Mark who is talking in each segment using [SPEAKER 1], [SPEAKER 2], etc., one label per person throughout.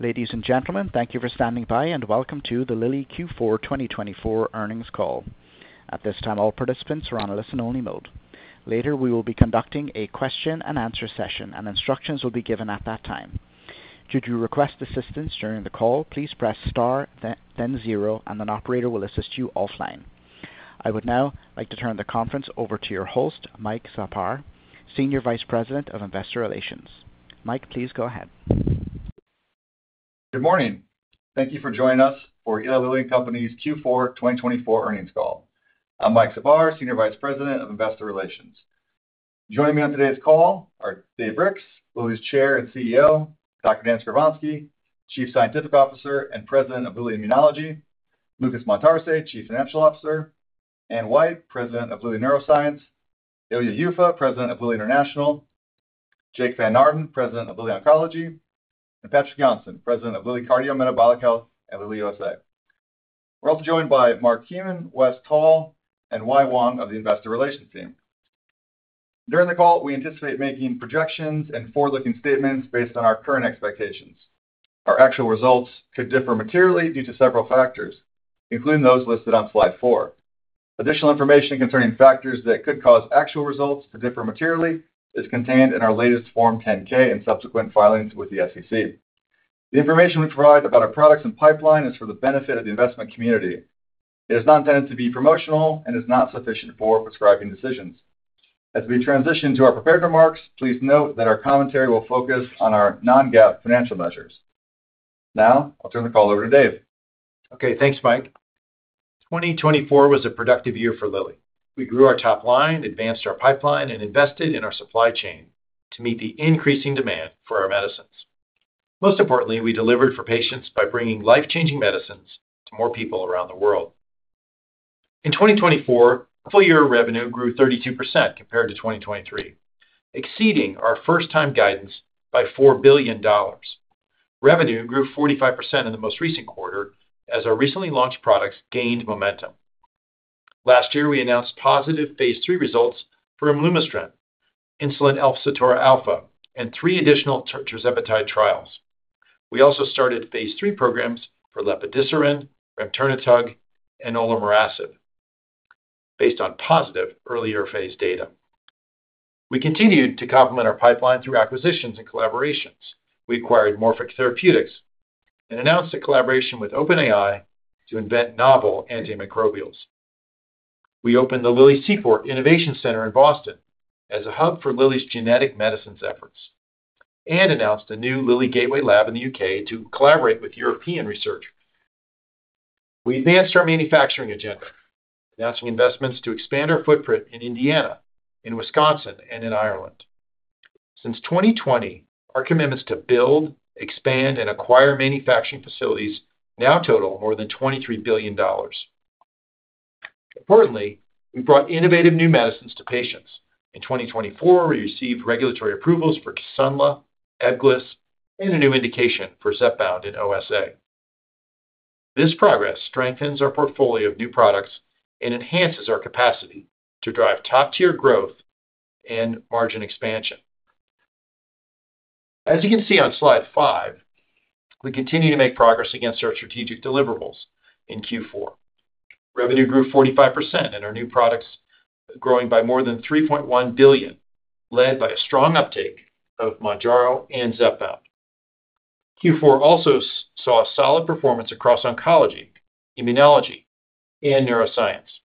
[SPEAKER 1] Ladies and gentlemen, thank you for standing by and welcome to the Lilly Q4 2024 earnings call. At this time, all participants are on a listen-only mode. Later, we will be conducting a question-and-answer session, and instructions will be given at that time. Should you request assistance during the call, please press star, then zero, and an operator will assist you offline. I would now like to turn the conference over to your host, Mike Szapary, Senior Vice President of Investor Relations. Mike, please go ahead.
[SPEAKER 2] Good morning. Thank you for joining us for Eli Lilly and Company's Q4 2024 earnings call. I'm Mike Szapary, Senior Vice President of Investor Relations. Joining me on today's call are Dave Ricks, Lilly's Chair and CEO, Dr. Dan Skovronsky, Chief Scientific Officer and President of Lilly Immunology, Lucas Montarce, Chief Financial Officer, Anne White, President of Lilly Neuroscience, Ilya Yuffa, President of Lilly International, Jake Van Naarden, President of Lilly Oncology, and Patrick Jonsson, President of Lilly Cardio-Metabolic Health and Lilly USA. We're also joined by Mark Heyman, Wes Toll, and Wai Wong of the Investor Relations team. During the call, we anticipate making projections and forward-looking statements based on our current expectations. Our actual results could differ materially due to several factors, including those listed on slide four. Additional information concerning factors that could cause actual results to differ materially is contained in our latest Form 10-K and subsequent filings with the SEC. The information we provide about our products and pipeline is for the benefit of the investment community. It is not intended to be promotional and is not sufficient for prescribing decisions. As we transition to our prepared remarks, please note that our commentary will focus on our non-GAAP financial measures. Now, I'll turn the call over to Dave.
[SPEAKER 3] Okay, thanks, Mike. 2024 was a productive year for Lilly. We grew our top line, advanced our pipeline, and invested in our supply chain to meet the increasing demand for our medicines. Most importantly, we delivered for patients by bringing life-changing medicines to more people around the world. In 2024, full-year revenue grew 32% compared to 2023, exceeding our first-time guidance by $4 billion. Revenue grew 45% in the most recent quarter as our recently launched products gained momentum. Last year, we announced positive phase 3 results for imlunestrant, insulin efsitora alfa, orforglipron, and three additional tirzepatide trials. We also started phase 3 programs for lepodisiran, remternetug, and olomorasib based on positive earlier phase data. We continued to complement our pipeline through acquisitions and collaborations. We acquired Morphic Therapeutics and announced a collaboration with OpenAI to invent novel antimicrobials. We opened the Lilly Seaport Innovation Center in Boston as a hub for Lilly's genetic medicines efforts and announced a new Lilly Gateway Lab in the U.K. to collaborate with European research. We advanced our manufacturing agenda, announcing investments to expand our footprint in Indiana, in Wisconsin, and in Ireland. Since 2020, our commitments to build, expand, and acquire manufacturing facilities now total more than $23 billion. Importantly, we brought innovative new medicines to patients. In 2024, we received regulatory approvals for Kisunla, Ebglyss, and a new indication for Zepbound in OSA. This progress strengthens our portfolio of new products and enhances our capacity to drive top-tier growth and margin expansion. As you can see on slide five, we continue to make progress against our strategic deliverables in Q4. Revenue grew 45% and our new products growing by more than $3.1 billion, led by a strong uptake of Mounjaro and Zepbound. Q4 also saw solid performance across oncology, immunology, and neuroscience.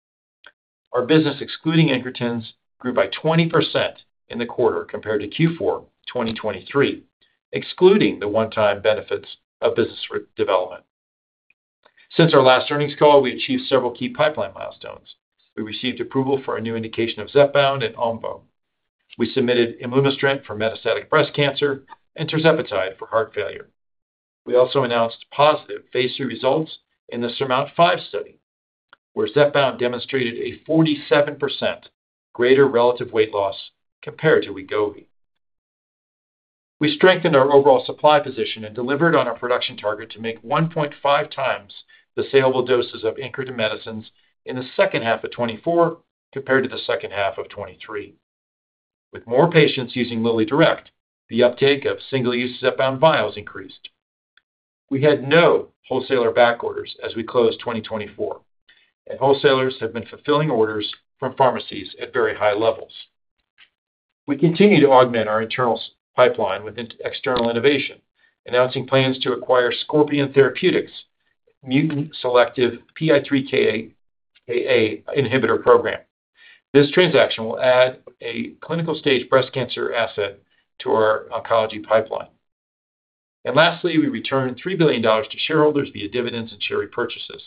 [SPEAKER 3] Our business, excluding incretins, grew by 20% in the quarter compared to Q4 2023, excluding the one-time benefits of business development. Since our last earnings call, we achieved several key pipeline milestones. We received approval for a new indication of Zepbound and Omvoh. We submitted imlunestrant for metastatic breast cancer and tirzepatide for heart failure. We also announced positive phase 3 results in the SURMOUNT-5 study, where Zepbound demonstrated a 47% greater relative weight loss compared to Wegovy. We strengthened our overall supply position and delivered on our production target to make 1.5 times the saleable doses of incretin medicines in the second half of 2024 compared to the second half of 2023. With more patients using LillyDirect, the uptake of single-use Zepbound vials increased. We had no wholesaler back orders as we closed 2024, and wholesalers have been fulfilling orders from pharmacies at very high levels. We continue to augment our internal pipeline with external innovation, announcing plans to acquire Scorpion Therapeutics' mutant selective PI3K alpha inhibitor program. This transaction will add a clinical stage breast cancer asset to our oncology pipeline, and lastly, we returned $3 billion to shareholders via dividends and share repurchases.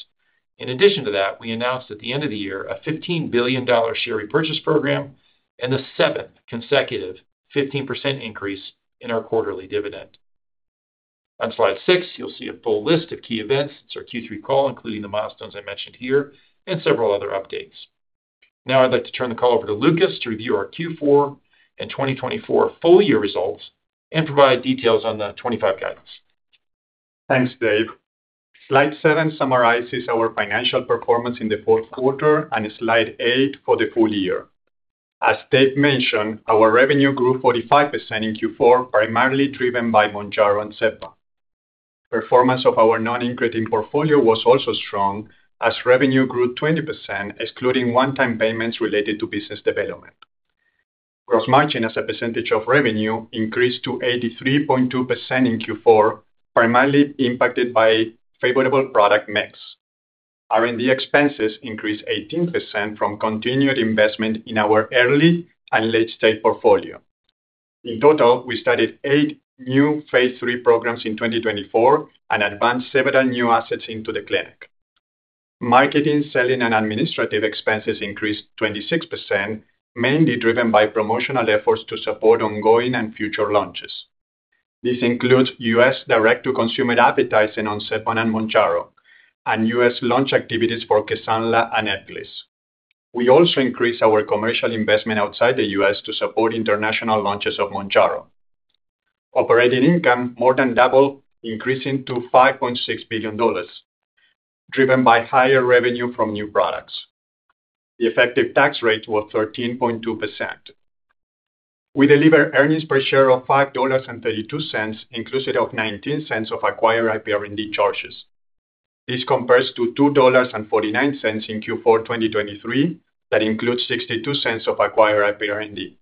[SPEAKER 3] In addition to that, we announced at the end of the year a $15 billion share repurchase program and the seventh consecutive 15% increase in our quarterly dividend. On slide six, you'll see a full list of key events since our Q3 call, including the milestones I mentioned here and several other updates. Now, I'd like to turn the call over to Lucas to review our Q4 and 2024 full-year results and provide details on the '25 guidance.
[SPEAKER 4] Thanks, Dave. Slide seven summarizes our financial performance in the fourth quarter and slide eight for the full year. As Dave mentioned, our revenue grew 45% in Q4, primarily driven by Mounjaro and Zepbound. Performance of our non-incretin portfolio was also strong as revenue grew 20%, excluding one-time payments related to business development. Gross margin as a percentage of revenue increased to 83.2% in Q4, primarily impacted by favorable product mix. R&D expenses increased 18% from continued investment in our early and late-stage portfolio. In total, we started eight new phase 3 programs in 2024 and advanced several new assets into the clinic. Marketing, selling, and administrative expenses increased 26%, mainly driven by promotional efforts to support ongoing and future launches. This includes U.S. direct-to-consumer advertising on Zepbound and Mounjaro, and U.S. launch activities for Kisunla and Ebglyss. We also increased our commercial investment outside the U.S. to support international launches of Mounjaro. Operating income more than doubled, increasing to $5.6 billion, driven by higher revenue from new products. The effective tax rate was 13.2%. We delivered earnings per share of $5.32, inclusive of $0.19 of acquired IPR&D charges. This compares to $2.49 in Q4 2023 that includes $0.62 of acquired IPR&D.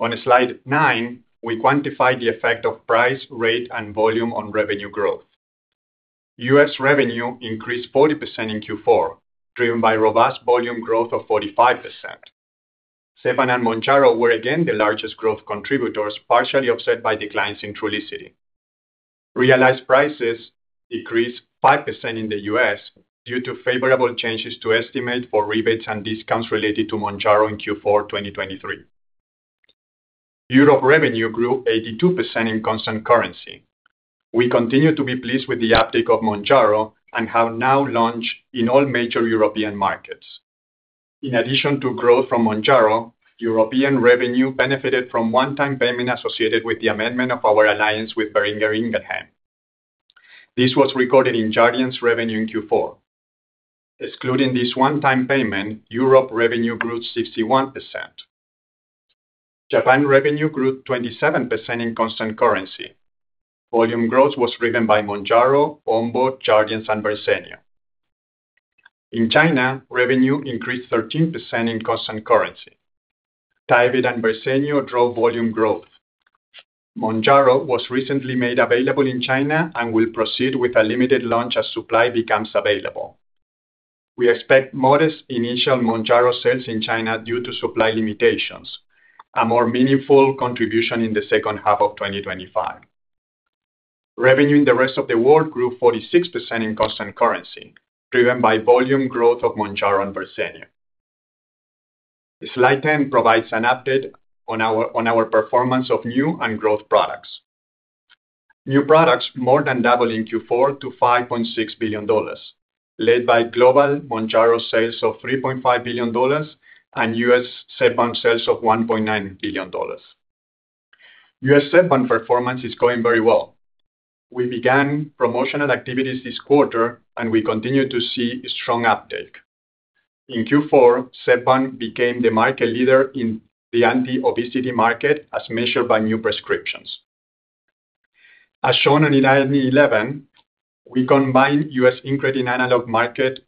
[SPEAKER 4] On slide nine, we quantified the effect of price, rate, and volume on revenue growth. U.S. revenue increased 40% in Q4, driven by robust volume growth of 45%. Zepbound and Mounjaro were again the largest growth contributors, partially offset by declines in Trulicity. Realized prices decreased 5% in the U.S. due to favorable changes to estimate for rebates and discounts related to Mounjaro in Q4 2023. Europe revenue grew 82% in constant currency. We continue to be pleased with the uptake of Mounjaro and have now launched in all major European markets. In addition to growth from Mounjaro, European revenue benefited from one-time payment associated with the amendment of our alliance with Boehringer Ingelheim. This was recorded in Jardiance revenue in Q4. Excluding this one-time payment, Europe revenue grew 61%. Japan revenue grew 27% in constant currency. Volume growth was driven by Mounjaro, Omvoh, Jardiance, and Verzenio. In China, revenue increased 13% in constant currency. Tyvyt and Verzenio drove volume growth. Mounjaro was recently made available in China and will proceed with a limited launch as supply becomes available. We expect modest initial Mounjaro sales in China due to supply limitations, a more meaningful contribution in the second half of 2025. Revenue in the rest of the world grew 46% in constant currency, driven by volume growth of Mounjaro and Verzenio. Slide 10 provides an update on our performance of new and growth products. New products more than doubled in Q4 to $5.6 billion, led by global Mounjaro sales of $3.5 billion and US Zepbound sales of $1.9 billion. US Zepbound performance is going very well. We began promotional activities this quarter, and we continue to see strong uptake. In Q4, Zepbound became the market leader in the anti-obesity market as measured by new prescriptions. As shown on the Slide 11, the combined US incretin analog market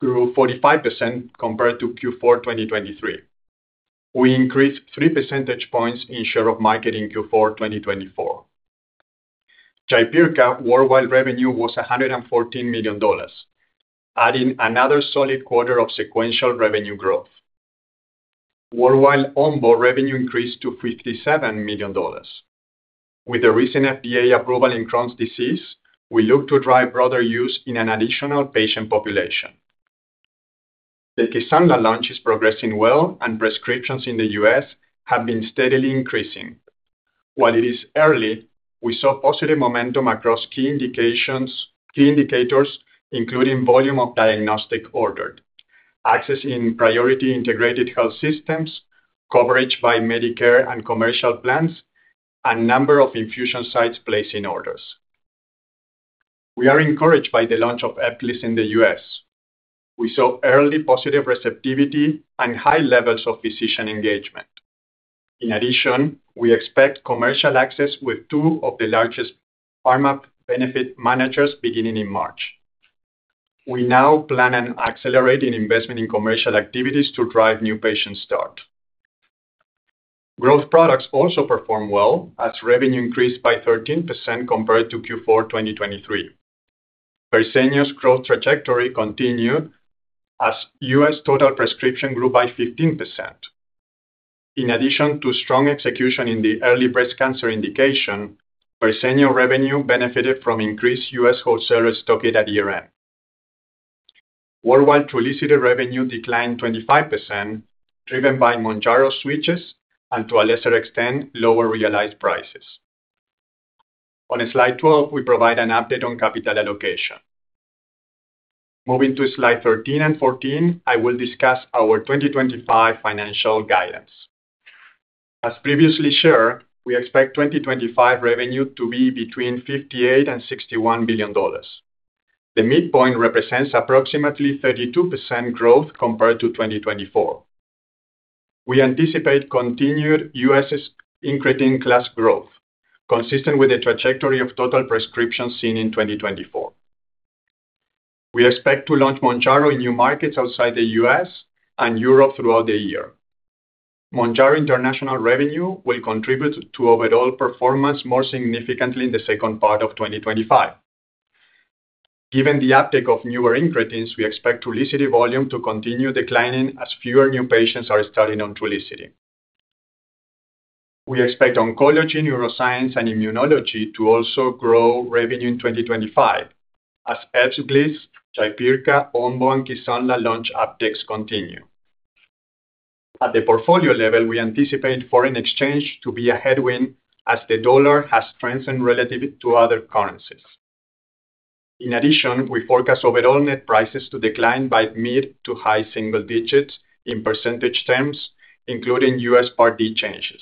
[SPEAKER 4] grew 45% compared to Q4 2023. We increased 3 percentage points in share of market in Q4 2024. Jaypirca worldwide revenue was $114 million, adding another solid quarter of sequential revenue growth. Worldwide Omvoh revenue increased to $57 million. With the recent FDA approval in Crohn's disease, we look to drive broader use in an additional patient population. The Kisunla launch is progressing well, and prescriptions in the U.S. have been steadily increasing. While it is early, we saw positive momentum across key indicators, including volume of diagnostics ordered, access in priority integrated health systems, coverage by Medicare and commercial plans, and number of infusion sites placing orders. We are encouraged by the launch of Ebglyss in the U.S. We saw early positive receptivity and high levels of physician engagement. In addition, we expect commercial access with two of the largest pharmacy benefit managers beginning in March. We now plan on accelerating investment in commercial activities to drive new patient starts. Growth products also perform well as revenue increased by 13% compared to Q4 2023. Verzenio's growth trajectory continued as U.S. total prescriptions grew by 15%. In addition to strong execution in the early breast cancer indication, Verzenio revenue benefited from increased U.S. wholesaler stock at year-end. Worldwide Trulicity revenue declined 25%, driven by Mounjaro switches and to a lesser extent, lower realized prices. On slide 12, we provide an update on capital allocation. Moving to slide 13 and 14, I will discuss our 2025 financial guidance. As previously shared, we expect 2025 revenue to be between $58 and $61 billion. The midpoint represents approximately 32% growth compared to 2024. We anticipate continued U.S. Incretin class growth, consistent with the trajectory of total prescriptions seen in 2024. We expect to launch Mounjaro in new markets outside the U.S. and Europe throughout the year. Mounjaro international revenue will contribute to overall performance more significantly in the second part of 2025. Given the uptake of newer Incretins, we expect Trulicity volume to continue declining as fewer new patients are starting on Trulicity. We expect oncology, neuroscience, and immunology to also grow revenue in 2025 as Ebglyss, Jaypirca, Omvoh, and Kisunla launch uptakes continue. At the portfolio level, we anticipate foreign exchange to be a headwind as the dollar has strengthened relative to other currencies. In addition, we forecast overall net prices to decline by mid- to high-single digits in percentage terms, including U.S. Part D changes.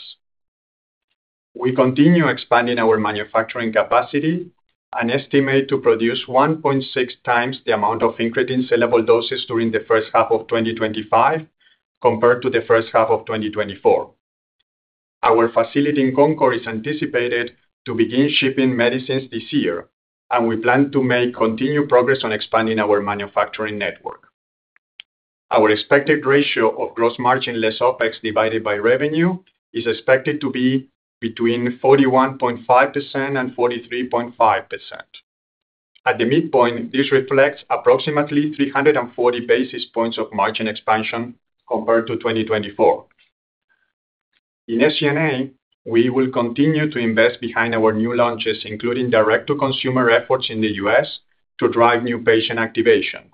[SPEAKER 4] We continue expanding our manufacturing capacity, an estimate to produce 1.6 times the amount of incretin sellable doses during the first half of 2025 compared to the first half of 2024. Our facility in Concord is anticipated to begin shipping medicines this year, and we plan to make continued progress on expanding our manufacturing network. Our expected ratio of gross margin less OpEx divided by revenue is expected to be between 41.5% and 43.5%. At the midpoint, this reflects approximately 340 basis points of margin expansion compared to 2024. In SG&A, we will continue to invest behind our new launches, including direct-to-consumer efforts in the U.S. to drive new patient activation.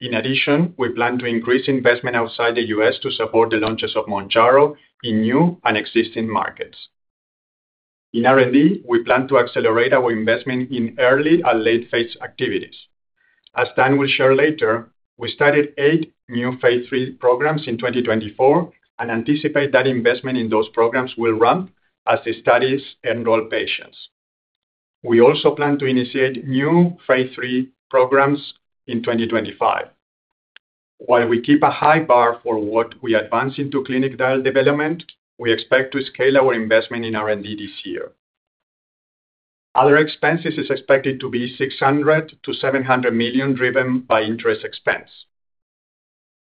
[SPEAKER 4] In addition, we plan to increase investment outside the U.S. to support the launches of Mounjaro in new and existing markets. In R&D, we plan to accelerate our investment in early and late-phase activities. As Dan will share later, we started eight new phase three programs in 2024 and anticipate that investment in those programs will ramp as the studies enroll patients. We also plan to initiate new phase three programs in 2025. While we keep a high bar for what we advance into clinical development, we expect to scale our investment in R&D this year. Other expenses are expected to be $600-$700 million driven by interest expense.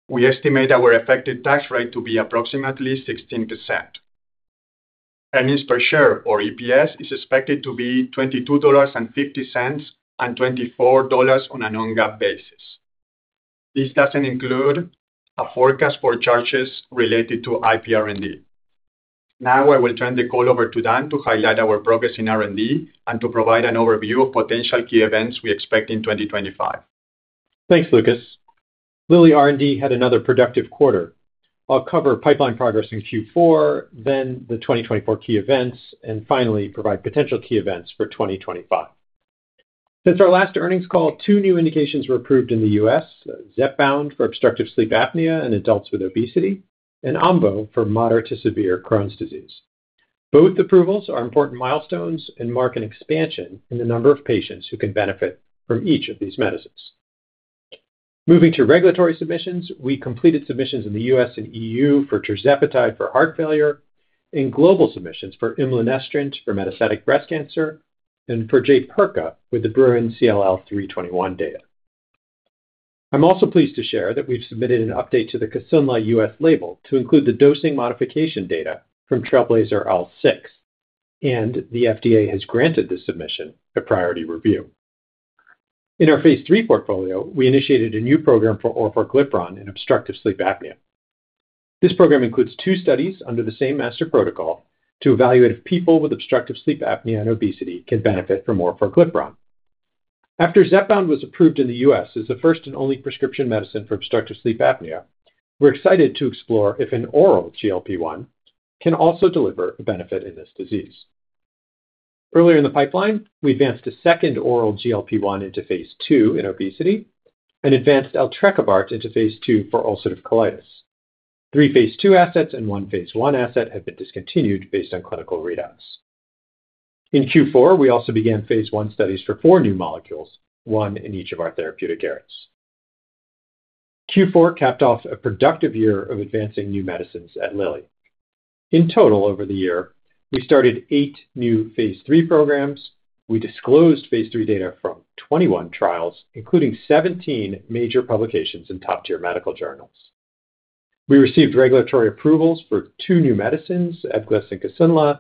[SPEAKER 4] We estimate our effective tax rate to be approximately 16%. Earnings per share, or EPS, is expected to be $22.50-$24 on a non-GAAP basis. This doesn't include a forecast for charges related to IPR&D. Now, I will turn the call over to Dan to highlight our progress in R&D and to provide an overview of potential key events we expect in 2025.
[SPEAKER 5] Thanks, Lucas. Lilly R&D had another productive quarter. I'll cover pipeline progress in Q4, then the 2024 key events, and finally provide potential key events for 2025. Since our last earnings call, two new indications were approved in the U.S.: Zepbound for obstructive sleep apnea in adults with obesity and Omvoh for moderate to severe Crohn's disease. Both approvals are important milestones and mark an expansion in the number of patients who can benefit from each of these medicines. Moving to regulatory submissions, we completed submissions in the U.S. and EU for tirzepatide for heart failure and global submissions for imlunestrant for metastatic breast cancer and for Jaypirca with the BRUIN CLL-321 data. I'm also pleased to share that we've submitted an update to the Kisunla U.S. label to include the dosing modification data from TRAILBLAZER-ALZ 6, and the FDA has granted the submission a priority review. In our phase 3 portfolio, we initiated a new program for orforglipron in obstructive sleep apnea. This program includes two studies under the same master protocol to evaluate if people with obstructive sleep apnea and obesity can benefit from orforglipron. After Zepbound was approved in the U.S. as the first and only prescription medicine for obstructive sleep apnea, we're excited to explore if an oral GLP-1 can also deliver a benefit in this disease. Earlier in the pipeline, we advanced a second oral GLP-1 into phase 2 in obesity and advanced eltrekibart into phase 2 for ulcerative colitis. Three phase 2 assets and one phase 1 asset have been discontinued based on clinical readouts. In Q4, we also began phase 1 studies for four new molecules, one in each of our therapeutic areas. Q4 capped off a productive year of advancing new medicines at Lilly. In total, over the year, we started eight new phase 3 programs. We disclosed phase 3 data from 21 trials, including 17 major publications in top-tier medical journals. We received regulatory approvals for two new medicines, Ebglyss and Kisunla,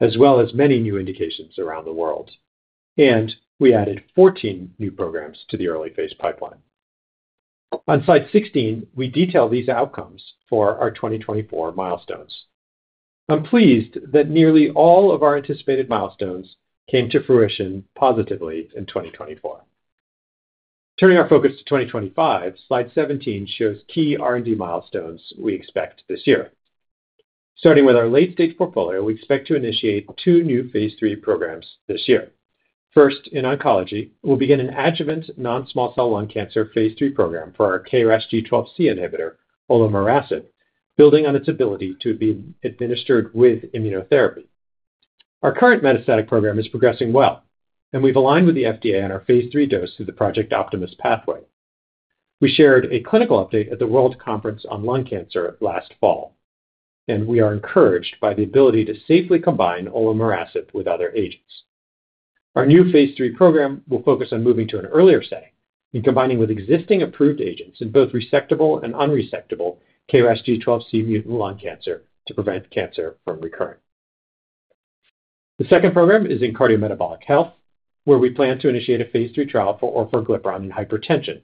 [SPEAKER 5] as well as many new indications around the world, and we added 14 new programs to the early phase pipeline. On slide 16, we detail these outcomes for our 2024 milestones. I'm pleased that nearly all of our anticipated milestones came to fruition positively in 2024. Turning our focus to 2025, slide 17 shows key R&D milestones we expect this year. Starting with our late-stage portfolio, we expect to initiate two new phase 3 programs this year. First, in oncology, we'll begin an adjuvant non-small cell lung cancer phase 3 program for our KRAS G12C inhibitor, olomorasib, building on its ability to be administered with immunotherapy. Our current metastatic program is progressing well, and we've aligned with the FDA on our phase 3 dose through the Project Optimus pathway. We shared a clinical update at the World Conference on Lung Cancer last fall, and we are encouraged by the ability to safely combine olomorasib with other agents. Our new phase 3 program will focus on moving to an earlier setting and combining with existing approved agents in both resectable and unresectable KRAS G12C mutant lung cancer to prevent cancer from recurring. The second program is in cardiometabolic health, where we plan to initiate a phase 3 trial for orforglipron in hypertension,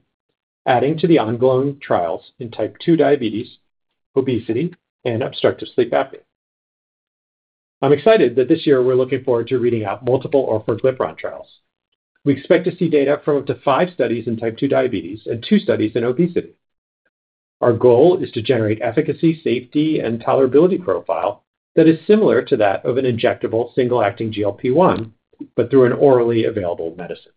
[SPEAKER 5] adding to the ongoing trials in type 2 diabetes, obesity, and obstructive sleep apnea. I'm excited that this year we're looking forward to reading out multiple orforglipron trials. We expect to see data from up to five studies in type 2 diabetes and two studies in obesity. Our goal is to generate efficacy, safety, and tolerability profile that is similar to that of an injectable single-acting GLP-1, but through an orally available medicine.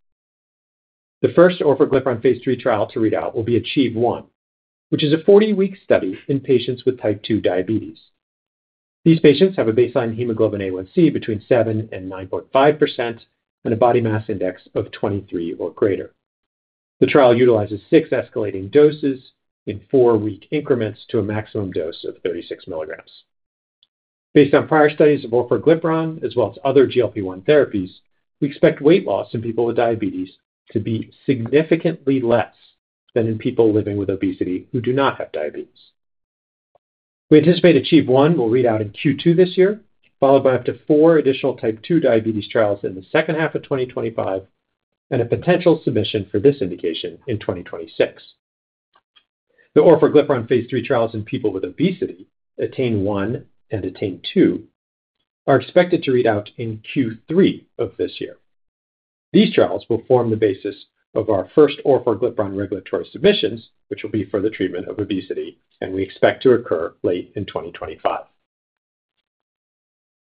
[SPEAKER 5] The first orforglipron phase 3 trial to read out will be ACHIEVE-1, which is a 40-week study in patients with type 2 diabetes. These patients have a baseline hemoglobin A1c between 7% and 9.5% and a body mass index of 23 or greater. The trial utilizes six escalating doses in four-week increments to a maximum dose of 36 milligrams. Based on prior studies of orforglipron, as well as other GLP-1 therapies, we expect weight loss in people with diabetes to be significantly less than in people living with obesity who do not have diabetes. We anticipate ACHIEVE-1 will read out in Q2 this year, followed by up to four additional type 2 diabetes trials in the second half of 2025 and a potential submission for this indication in 2026. The orforglipron phase 3 trials in people with obesity, ATTAIN-1 and ATTAIN-2, are expected to read out in Q3 of this year. These trials will form the basis of our first orforglipron regulatory submissions, which will be for the treatment of obesity, and we expect to occur late in 2025.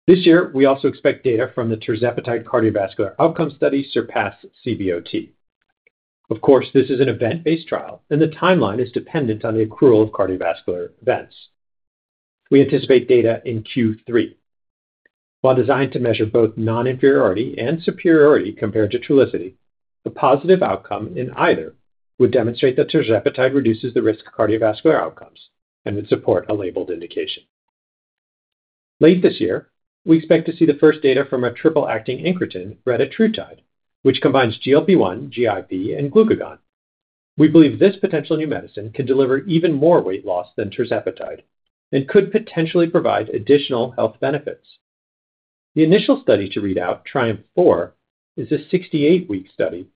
[SPEAKER 5] This year, we also expect data from the tirzepatide cardiovascular outcome study SURPASS-CVOT. Of course, this is an event-based trial, and the timeline is dependent on the accrual of cardiovascular events. We anticipate data in Q3. While designed to measure both non-inferiority and superiority compared to Trulicity, a positive outcome in either would demonstrate that tirzepatide reduces the risk of cardiovascular outcomes and would support a labeled indication. Late this year, we expect to see the first data from a triple-acting incretin, retatrutide, which combines GLP-1, GIP, and glucagon. We believe this potential new medicine can deliver even more weight loss than tirzepatide and could potentially provide additional health benefits. The initial study to read out, TRIUMPH-4, is a 68-week study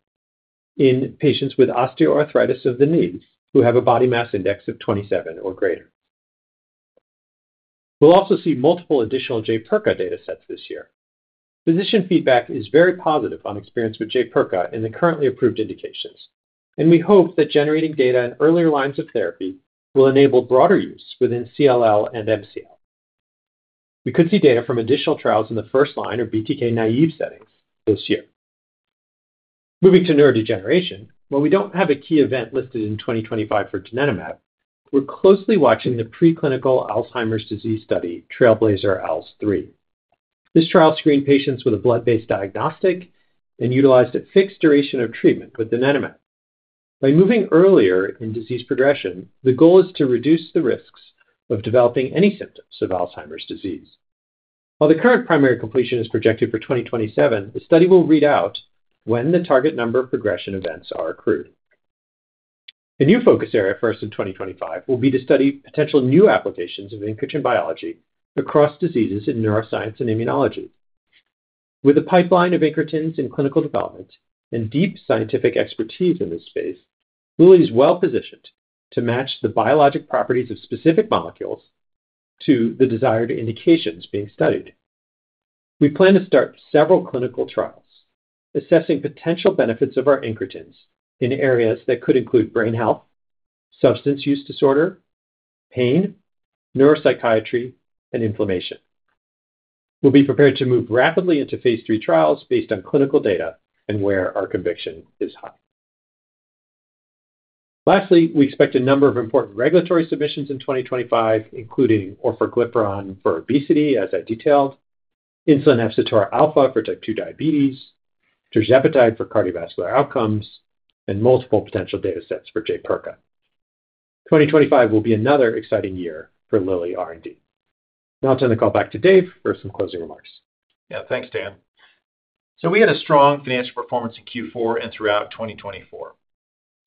[SPEAKER 5] in patients with osteoarthritis of the knees who have a body mass index of 27 or greater. We'll also see multiple additional Jaypirca data sets this year. Physician feedback is very positive on experience with Jaypirca in the currently approved indications, and we hope that generating data in earlier lines of therapy will enable broader use within CLL and MCL. We could see data from additional trials in the first line or BTK naive settings this year. Moving to neurodegeneration, while we don't have a key event listed in 2025 for donanemab, we're closely watching the preclinical Alzheimer's disease study, TRAILBLAZER-ALZ 3. This trial screened patients with a blood-based diagnostic and utilized a fixed duration of treatment with donanemab. By moving earlier in disease progression, the goal is to reduce the risks of developing any symptoms of Alzheimer's disease. While the current primary completion is projected for 2027, the study will read out when the target number of progression events are accrued. A new focus area for us in 2025 will be to study potential new applications of Incretin biology across diseases in neuroscience and immunology. With a pipeline of Incretins in clinical development and deep scientific expertise in this space, Lilly is well positioned to match the biologic properties of specific molecules to the desired indications being studied. We plan to start several clinical trials assessing potential benefits of our Incretins in areas that could include brain health, substance use disorder, pain, neuropsychiatry, and inflammation. We'll be prepared to move rapidly into phase three trials based on clinical data and where our conviction is high. Lastly, we expect a number of important regulatory submissions in 2025, including orforglipron for obesity, as I detailed, insulin efsitora alfa for type 2 diabetes, tirzepatide for cardiovascular outcomes, and multiple potential data sets for Jaypirca. 2025 will be another exciting year for Lilly R&D. Now I'll turn the call back to Dave for some closing remarks.
[SPEAKER 3] Yeah, thanks, Dan. So we had a strong financial performance in Q4 and throughout 2024.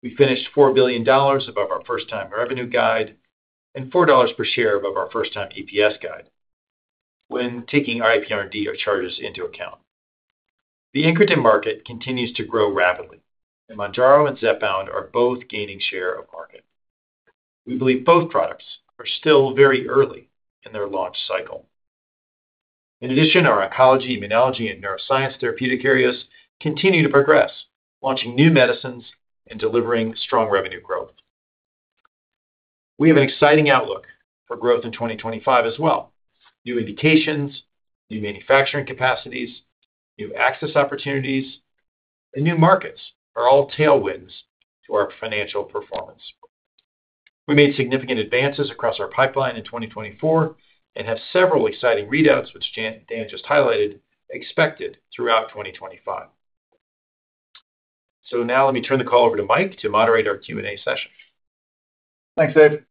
[SPEAKER 3] We finished $4 billion above our first-time revenue guide and $4 per share above our first-time EPS guide when taking our IPR&D charges into account. The incretin market continues to grow rapidly, and Mounjaro and Zepbound are both gaining share of market. We believe both products are still very early in their launch cycle. In addition, our oncology, immunology, and neuroscience therapeutic areas continue to progress, launching new medicines and delivering strong revenue growth. We have an exciting outlook for growth in 2025 as well. New indications, new manufacturing capacities, new access opportunities, and new markets are all tailwinds to our financial performance. We made significant advances across our pipeline in 2024 and have several exciting readouts, which Dan just highlighted, expected throughout 2025. So now let me turn the call over to Mike to moderate our Q&A session.
[SPEAKER 2] Thanks, Dave.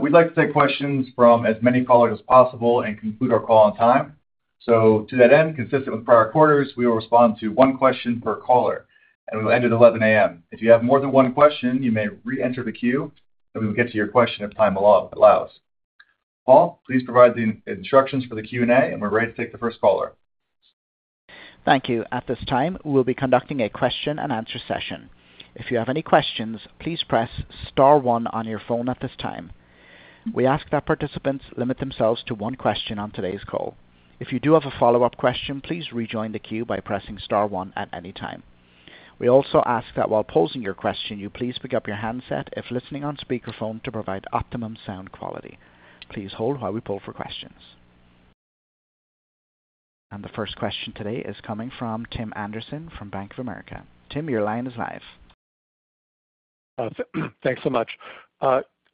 [SPEAKER 2] We'd like to take questions from as many callers as possible and conclude our call on time. So to that end, consistent with prior quarters, we will respond to one question per caller, and we'll end at 11:00 A.M. If you have more than one question, you may re-enter the queue, and we will get to your question if time allows. Paul, please provide the instructions for the Q&A, and we're ready to take the first caller.
[SPEAKER 1] Thank you. At this time, we'll be conducting a question-and-answer session. If you have any questions, please press star one on your phone at this time. We ask that participants limit themselves to one question on today's call. If you do have a follow-up question, please rejoin the queue by pressing star one at any time. We also ask that while posing your question, you please pick up your handset if listening on speakerphone to provide optimum sound quality. Please hold while we pull for questions. And the first question today is coming from Tim Anderson from Bank of America. Tim, your line is live.
[SPEAKER 6] Thanks so much.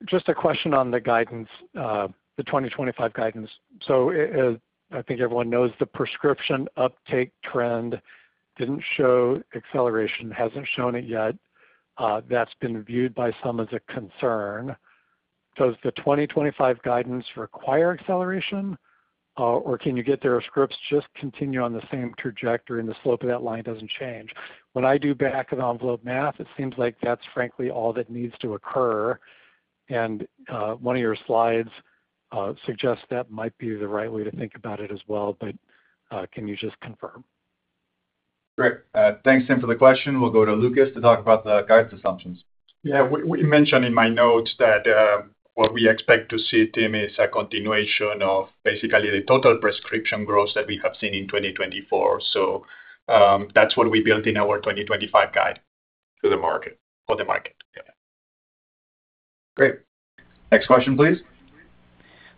[SPEAKER 6] Just a question on the guidance, the 2025 guidance. So I think everyone knows the prescription uptake trend didn't show acceleration, hasn't shown it yet. That's been viewed by some as a concern. Does the 2025 guidance require acceleration, or can you get their scripts just continue on the same trajectory and the slope of that line doesn't change? When I do back of the envelope math, it seems like that's frankly all that needs to occur, and one of your slides suggests that might be the right way to think about it as well, but can you just confirm?
[SPEAKER 2] Great. Thanks, Tim, for the question. We'll go to Lucas to talk about the guidance assumptions.
[SPEAKER 4] Yeah, we mentioned in my notes that what we expect to see, Tim, is a continuation of basically the total prescription growth that we have seen in 2024. So that's what we built in our 2025 guide to the market, for the market.
[SPEAKER 2] Great. Next question, please.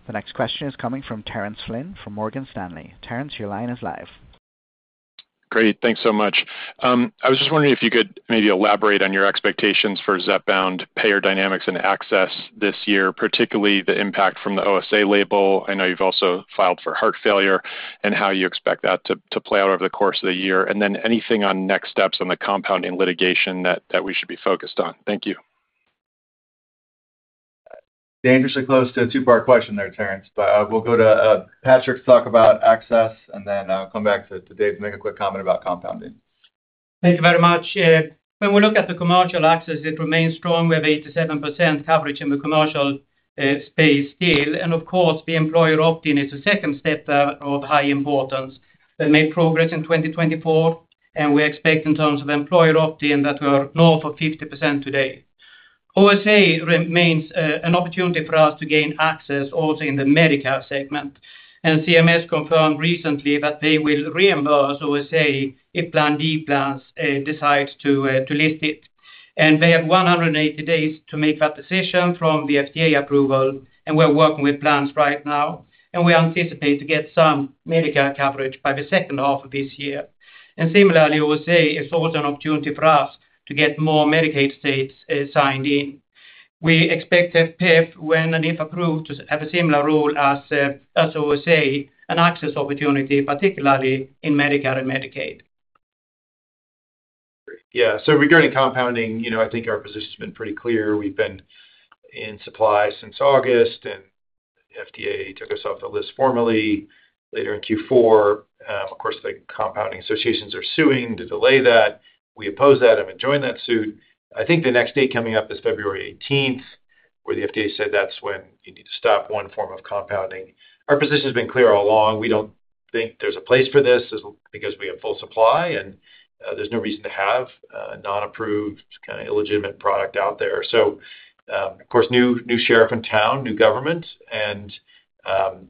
[SPEAKER 1] The next question is coming from Terence Flynn from Morgan Stanley. Terrence, your line is live.
[SPEAKER 7] Great. Thanks so much. I was just wondering if you could maybe elaborate on your expectations for Zepbound payer dynamics and access this year, particularly the impact from the OSA label. I know you've also filed for heart failure and how you expect that to play out over the course of the year, and then anything on next steps on the compounding litigation that we should be focused on. Thank you.
[SPEAKER 2] Dangerously close to a two-part question there, Terrence, but we'll go to Patrick to talk about access, and then I'll come back to Dave to make a quick comment about compounding.
[SPEAKER 8] Thank you very much. When we look at the commercial access, it remains strong. We have 87% coverage in the commercial space still, and of course, the employer opt-in is a second step of high importance. We made progress in 2024, and we expect in terms of employer opt-in that we're north of 50% today. OSA remains an opportunity for us to gain access also in the medical segment, and CMS confirmed recently that they will reimburse OSA if Part D plans decide to list it, and they have 180 days to make that decision from the FDA approval, and we're working with plans right now, and we anticipate to get some medical coverage by the second half of this year, and similarly, OSA is also an opportunity for us to get more Medicaid states signed in. We expect HFpEF, when and if approved, to have a similar role as OSA and access opportunity, particularly in Medicare and Medicaid.
[SPEAKER 3] Yeah. So regarding compounding, I think our position has been pretty clear. We've been in supply since August, and the FDA took us off the list formally later in Q4. Of course, the compounding associations are suing to delay that. We oppose that. I've joined that suit. I think the next date coming up is February 18th, where the FDA said that's when you need to stop one form of compounding. Our position has been clear all along. We don't think there's a place for this because we have full supply, and there's no reason to have a non-approved, kind of illegitimate product out there. So, of course, new sheriff in town, new government, and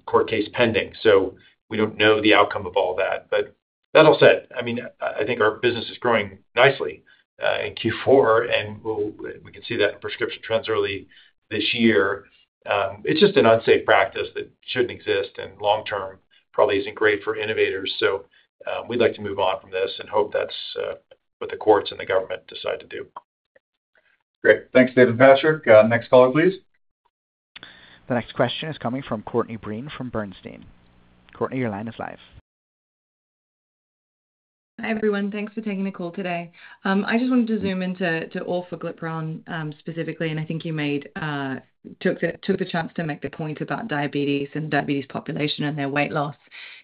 [SPEAKER 3] court case pending. So we don't know the outcome of all that. But that all said, I mean, I think our business is growing nicely in Q4, and we can see that in prescription trends early this year. It's just an unsafe practice that shouldn't exist, and long-term probably isn't great for innovators. So we'd like to move on from this and hope that's what the courts and the government decide to do.
[SPEAKER 2] Great. Thanks, David Patrick. Next caller, please.
[SPEAKER 1] The next question is coming from Courtney Breen from Bernstein. Courtney, your line is live.
[SPEAKER 9] Hi everyone. Thanks for taking the call today. I just wanted to zoom into orforglipron specifically, and I think you took the chance to make the point about diabetes and the diabetes population and their weight loss.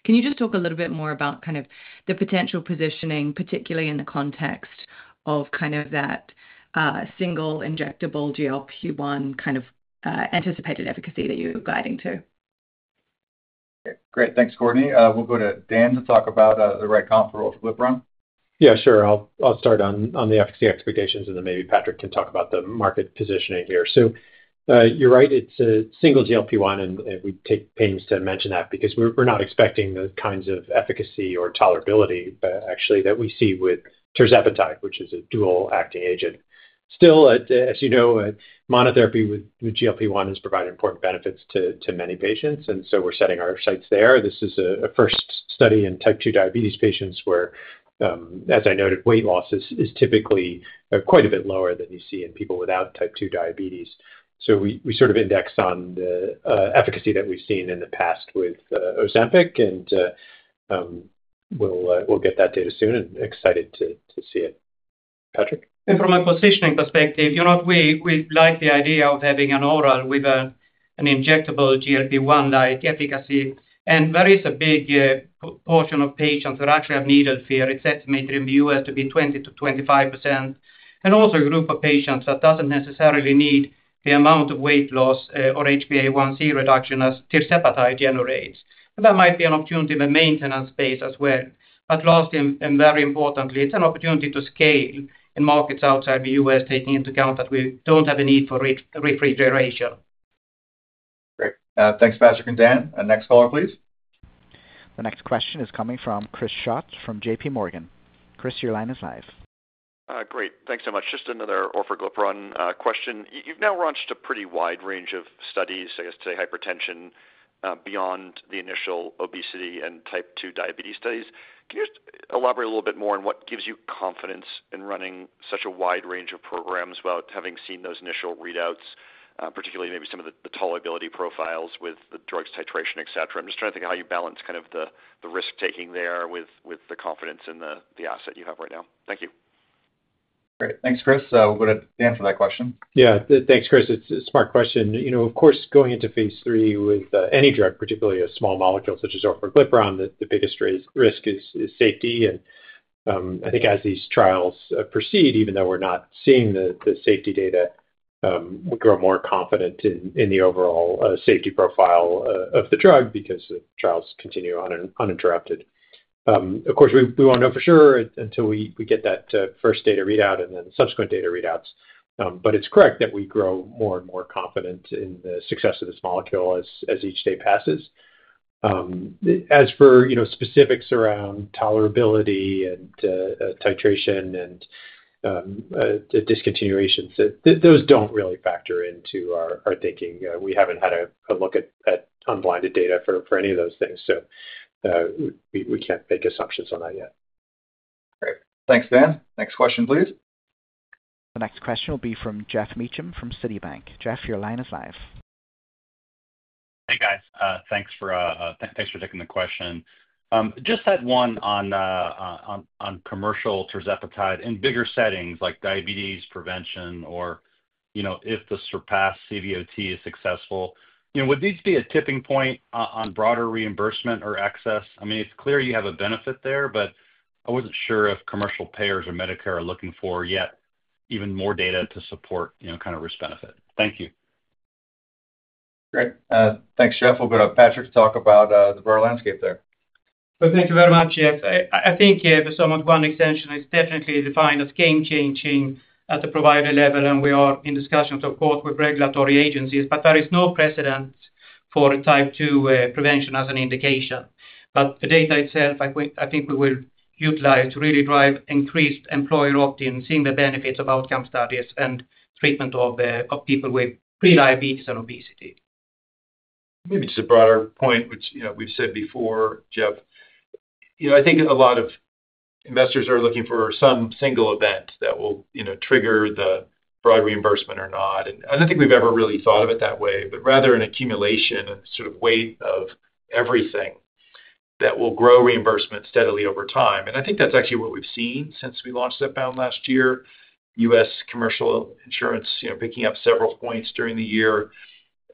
[SPEAKER 9] Can you just talk a little bit more about kind of the potential positioning, particularly in the context of kind of that single injectable GLP-1 kind of anticipated efficacy that you're guiding to?
[SPEAKER 2] Okay. Great. Thanks, Courtney. We'll go to Dan to talk about the right comp for orforglipron.
[SPEAKER 5] Yeah, sure. I'll start on the efficacy expectations, and then maybe Patrick can talk about the market positioning here. So you're right. It's a single GLP-1, and we take pains to mention that because we're not expecting the kinds of efficacy or tolerability, actually, that we see with tirzepatide, which is a dual-acting agent. Still, as you know, monotherapy with GLP-1 has provided important benefits to many patients, and so we're setting our sights there. This is a first study in type 2 diabetes patients where, as I noted, weight loss is typically quite a bit lower than you see in people without type 2 diabetes. So we sort of index on the efficacy that we've seen in the past with Ozempic, and we'll get that data soon and excited to see it. Patrick?
[SPEAKER 8] From a positioning perspective, you know what? We like the idea of having an oral with an injectable GLP-1-like efficacy. There is a big portion of patients that actually have needle fear. It's estimated in the U.S. to be 20%-25%. Also a group of patients that doesn't necessarily need the amount of weight loss or HbA1c reduction as tirzepatide generates. That might be an opportunity in the maintenance space as well. But lastly, and very importantly, it's an opportunity to scale in markets outside the U.S., taking into account that we don't have a need for refrigeration.
[SPEAKER 2] Great. Thanks, Patrick and Dan. Next caller, please.
[SPEAKER 1] The next question is coming from Chris Schott from JPMorgan. Chris, your line is live.
[SPEAKER 10] Great. Thanks so much. Just another orforglipron question. You've now launched a pretty wide range of studies, I guess, to study hypertension beyond the initial obesity and type 2 diabetes studies. Can you elaborate a little bit more on what gives you confidence in running such a wide range of programs without having seen those initial readouts, particularly maybe some of the tolerability profiles with the drug's titration, etc.? I'm just trying to think of how you balance kind of the risk-taking there with the confidence in the asset you have right now. Thank you.
[SPEAKER 2] Great. Thanks, Chris. We'll go to Dan for that question.
[SPEAKER 5] Yeah. Thanks, Chris. It's a smart question. Of course, going into phase 3 with any drug, particularly a small molecule such as orforglipron, the biggest risk is safety. And I think as these trials proceed, even though we're not seeing the safety data, we grow more confident in the overall safety profile of the drug because the trials continue uninterrupted. Of course, we won't know for sure until we get that first data readout and then subsequent data readouts. But it's correct that we grow more and more confident in the success of this molecule as each day passes. As for specifics around tolerability and titration and discontinuations, those don't really factor into our thinking. We haven't had a look at unblinded data for any of those things, so we can't make assumptions on that yet.
[SPEAKER 2] Great. Thanks, Dan. Next question, please.
[SPEAKER 1] The next question will be from Jeff Meacham from Citibank. Jeff, your line is live.
[SPEAKER 11] Hey, guys. Thanks for taking the question. Just had one on commercial tirzepatide in bigger settings like diabetes prevention or if the SURPASS-CVOT is successful. Would these be a tipping point on broader reimbursement or access? I mean, it's clear you have a benefit there, but I wasn't sure if commercial payers or Medicare are looking for yet even more data to support kind of risk-benefit. Thank you.
[SPEAKER 2] Great. Thanks, Jeff. We'll go to Patrick to talk about the broader landscape there.
[SPEAKER 8] Thank you very much, Jeff. I think the SURMOUNT-1 extension is definitely defined as game-changing at the provider level, and we are in discussions, of course, with regulatory agencies, but there is no precedent for type 2 prevention as an indication, but the data itself, I think we will utilize to really drive increased employer opt-in, seeing the benefits of outcome studies and treatment of people with prediabetes and obesity.
[SPEAKER 3] Maybe just a broader point, which we've said before, Jeff. I think a lot of investors are looking for some single event that will trigger the broad reimbursement or not. And I don't think we've ever really thought of it that way, but rather an accumulation, a sort of weight of everything that will grow reimbursement steadily over time. And I think that's actually what we've seen since we launched Zepbound last year, U.S. commercial insurance picking up several points during the year,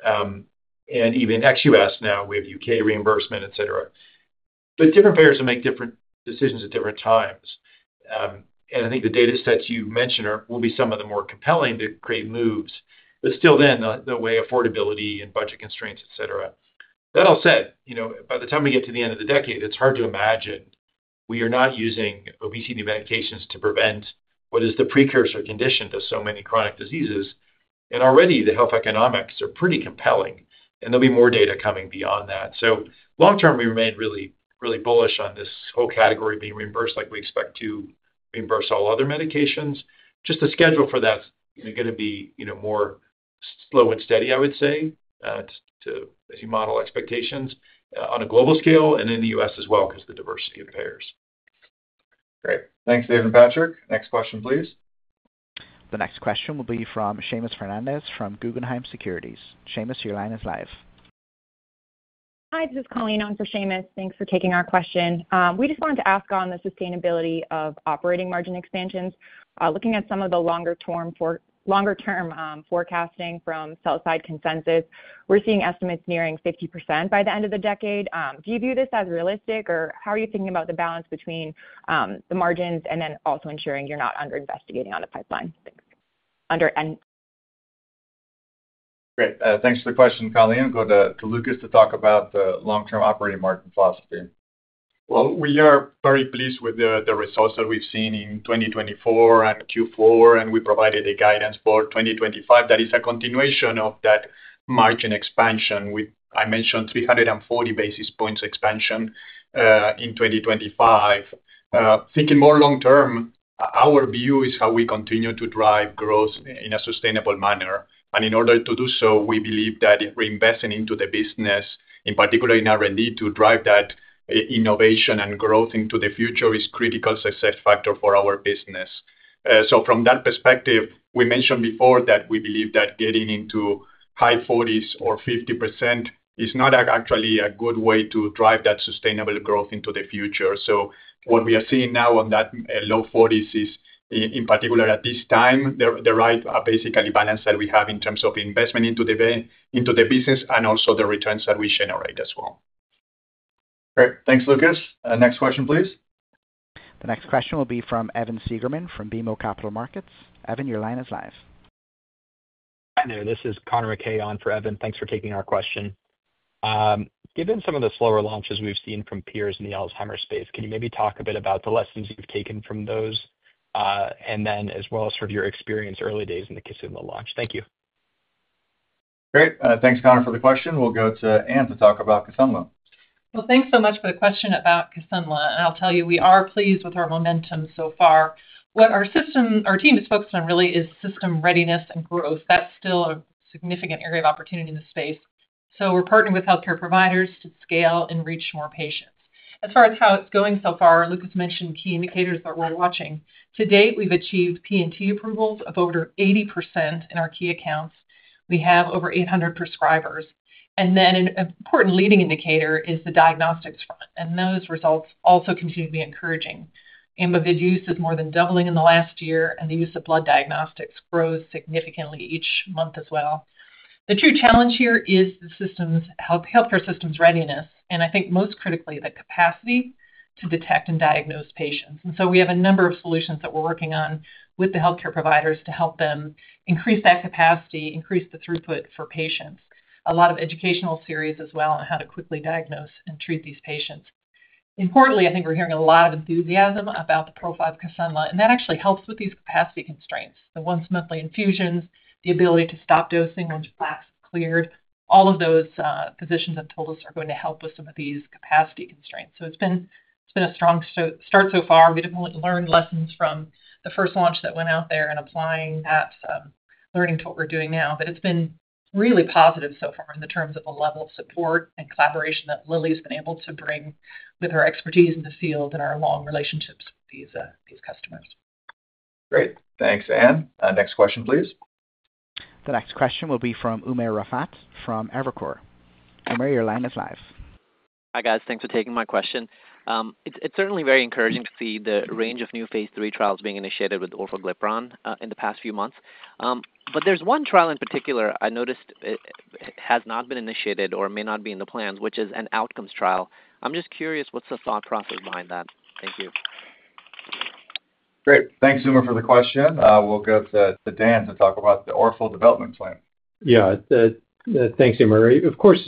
[SPEAKER 3] and even XUS now with U.K. reimbursement, etc. But different payers will make different decisions at different times. And I think the data sets you mentioned will be some of the more compelling to create moves, but still then, the way affordability and budget constraints, etc. That all said, by the time we get to the end of the decade, it's hard to imagine we are not using obesity medications to prevent what is the precursor condition to so many chronic diseases, and already, the health economics are pretty compelling, and there'll be more data coming beyond that, so long-term, we remain really bullish on this whole category being reimbursed like we expect to reimburse all other medications. Just the schedule for that is going to be more slow and steady, I would say, as you model expectations on a global scale and in the U.S. as well because of the diversity of payers.
[SPEAKER 2] Great. Thanks, David Patrick. Next question, please.
[SPEAKER 1] The next question will be from Seamus Fernandez from Guggenheim Securities. Seamus, your line is live.
[SPEAKER 12] Hi, this is Colleen Owen for Seamus. Thanks for taking our question. We just wanted to ask on the sustainability of operating margin expansions. Looking at some of the longer-term forecasting from sell-side consensus, we're seeing estimates nearing 50% by the end of the decade. Do you view this as realistic, or how are you thinking about the balance between the margins and then also ensuring you're not under-investing on a pipeline?
[SPEAKER 2] Great. Thanks for the question, Colleen. We'll go to Lucas to talk about the long-term operating margin philosophy.
[SPEAKER 4] We are very pleased with the results that we've seen in 2024 and Q4, and we provided a guidance for 2025 that is a continuation of that margin expansion. I mentioned 340 basis points expansion in 2025. Thinking more long-term, our view is how we continue to drive growth in a sustainable manner. In order to do so, we believe that reinvesting into the business, in particular in R&D, to drive that innovation and growth into the future is a critical success factor for our business. From that perspective, we mentioned before that we believe that getting into high 40s or 50% is not actually a good way to drive that sustainable growth into the future. So what we are seeing now on that low 40s is, in particular at this time, the right basically balance that we have in terms of investment into the business and also the returns that we generate as well.
[SPEAKER 2] Great. Thanks, Lucas. Next question, please.
[SPEAKER 1] The next question will be from Evan Seigerman from BMO Capital Markets. Evan, your line is live.
[SPEAKER 13] Hi there. This is Conor MacKay on for Evan. Thanks for taking our question. Given some of the slower launches we've seen from peers in the Alzheimer's space, can you maybe talk a bit about the lessons you've taken from those and then as well as sort of your experience early days in the Kisunla launch? Thank you.
[SPEAKER 2] Great. Thanks, Connor, for the question. We'll go to Anne to talk about Kisunla.
[SPEAKER 14] Thanks so much for the question about Kisunla. I'll tell you, we are pleased with our momentum so far. What our team is focused on really is system readiness and growth. That's still a significant area of opportunity in the space. We're partnering with healthcare providers to scale and reach more patients. As far as how it's going so far, Lucas mentioned key indicators that we're watching. To date, we've achieved P&T approvals of over 80% in our key accounts. We have over 800 prescribers. Then an important leading indicator is the diagnostics front. Those results also continue to be encouraging. Amyvid use is more than doubling in the last year, and the use of blood diagnostics grows significantly each month as well. The true challenge here is the healthcare system's readiness, and I think most critically, the capacity to detect and diagnose patients. We have a number of solutions that we're working on with the healthcare providers to help them increase that capacity, increase the throughput for patients, a lot of educational series as well on how to quickly diagnose and treat these patients. Importantly, I think we're hearing a lot of enthusiasm about the profile of Kisunla, and that actually helps with these capacity constraints. The once-monthly infusions, the ability to stop dosing once plaques have cleared, all of those physicians have told us are going to help with some of these capacity constraints. It's been a strong start so far. We definitely learned lessons from the first launch that went out there and applying that, learning to what we're doing now. But it's been really positive so far in the terms of the level of support and collaboration that Lilly's been able to bring with her expertise in the field and our long relationships with these customers.
[SPEAKER 2] Great. Thanks, Anne. Next question, please.
[SPEAKER 1] The next question will be from Umer Raffat from Evercore. Umer, your line is live.
[SPEAKER 15] Hi, guys. Thanks for taking my question. It's certainly very encouraging to see the range of new phase 3 trials being initiated with orforglipron in the past few months. But there's one trial in particular I noticed has not been initiated or may not be in the plans, which is an outcomes trial. I'm just curious what's the thought process behind that. Thank you.
[SPEAKER 2] Great. Thanks, Umer, for the question. We'll go to Dan to talk about the orforglipron development plan.
[SPEAKER 5] Yeah. Thanks, Umer. Of course,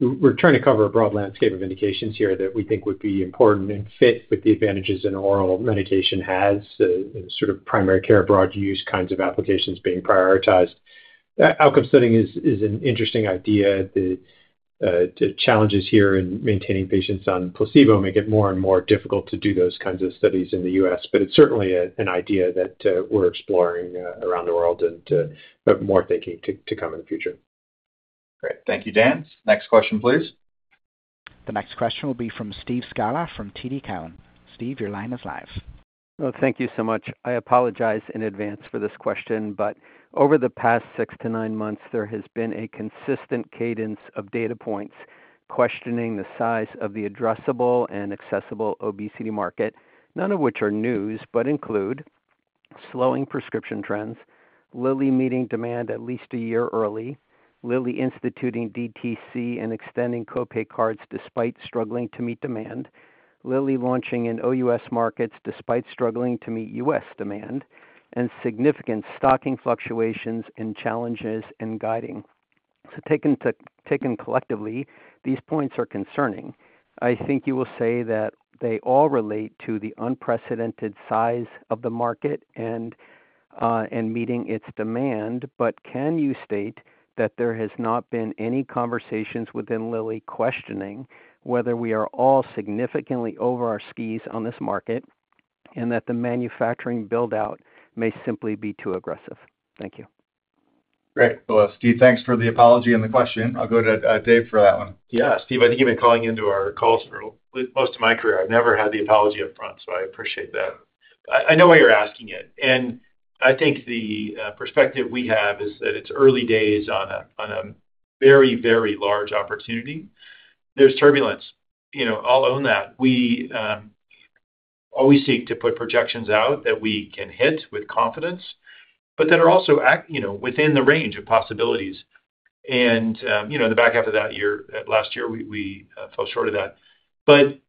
[SPEAKER 5] we're trying to cover a broad landscape of indications here that we think would be important and fit with the advantages an oral medication has, sort of primary care broad-use kinds of applications being prioritized. Outcome studying is an interesting idea. The challenges here in maintaining patients on placebo make it more and more difficult to do those kinds of studies in the U.S. But it's certainly an idea that we're exploring around the world and more thinking to come in the future.
[SPEAKER 2] Great. Thank you, Dan. Next question, please.
[SPEAKER 1] The next question will be from Steve Scala from TD Cowen. Steve, your line is live.
[SPEAKER 16] Thank you so much. I apologize in advance for this question, but over the past six to nine months, there has been a consistent cadence of data points questioning the size of the addressable and accessible obesity market, none of which are news but include slowing prescription trends, Lilly meeting demand at least a year early, Lilly instituting DTC and extending copay cards despite struggling to meet demand, Lilly launching in OUS markets despite struggling to meet US demand, and significant stocking fluctuations in challenges and guiding. Taken collectively, these points are concerning. I think you will say that they all relate to the unprecedented size of the market and meeting its demand, but can you state that there has not been any conversations within Lilly questioning whether we are all significantly over our skis on this market and that the manufacturing buildout may simply be too aggressive? Thank you.
[SPEAKER 2] Great. Well, Steve, thanks for the apology and the question. I'll go to Dave for that one.
[SPEAKER 3] Yeah. Steve, I think you've been calling into our calls for most of my career. I've never had the apology upfront, so I appreciate that. I know why you're asking it. And I think the perspective we have is that it's early days on a very, very large opportunity. There's turbulence. I'll own that. We always seek to put projections out that we can hit with confidence, but that are also within the range of possibilities. And in the back half of that year, last year, we fell short of that. But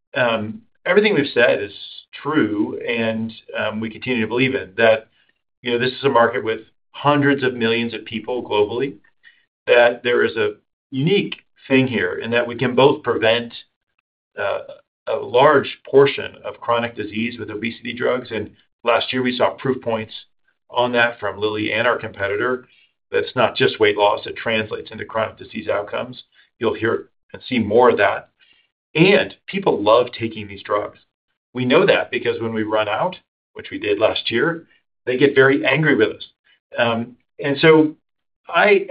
[SPEAKER 3] everything we've said is true, and we continue to believe in that this is a market with hundreds of millions of people globally, that there is a unique thing here and that we can both prevent a large portion of chronic disease with obesity drugs. And last year, we saw proof points on that from Lilly and our competitor. That's not just weight loss. It translates into chronic disease outcomes. You'll hear and see more of that. And people love taking these drugs. We know that because when we run out, which we did last year, they get very angry with us. And so I,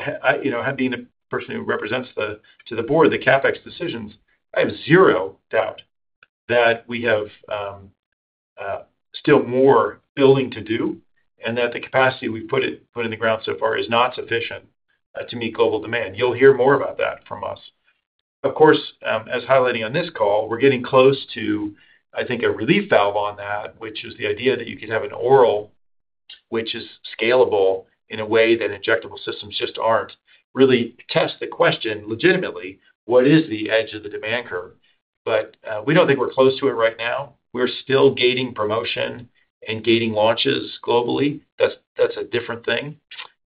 [SPEAKER 3] being the person who represents to the board the CapEx decisions, I have zero doubt that we have still more building to do and that the capacity we've put in the ground so far is not sufficient to meet global demand. You'll hear more about that from us. Of course, as highlighting on this call, we're getting close to, I think, a relief valve on that, which is the idea that you could have an oral, which is scalable in a way that injectable systems just aren't, really test the question legitimately, what is the edge of the demand curve? But we don't think we're close to it right now. We're still gating promotion and gating launches globally. That's a different thing.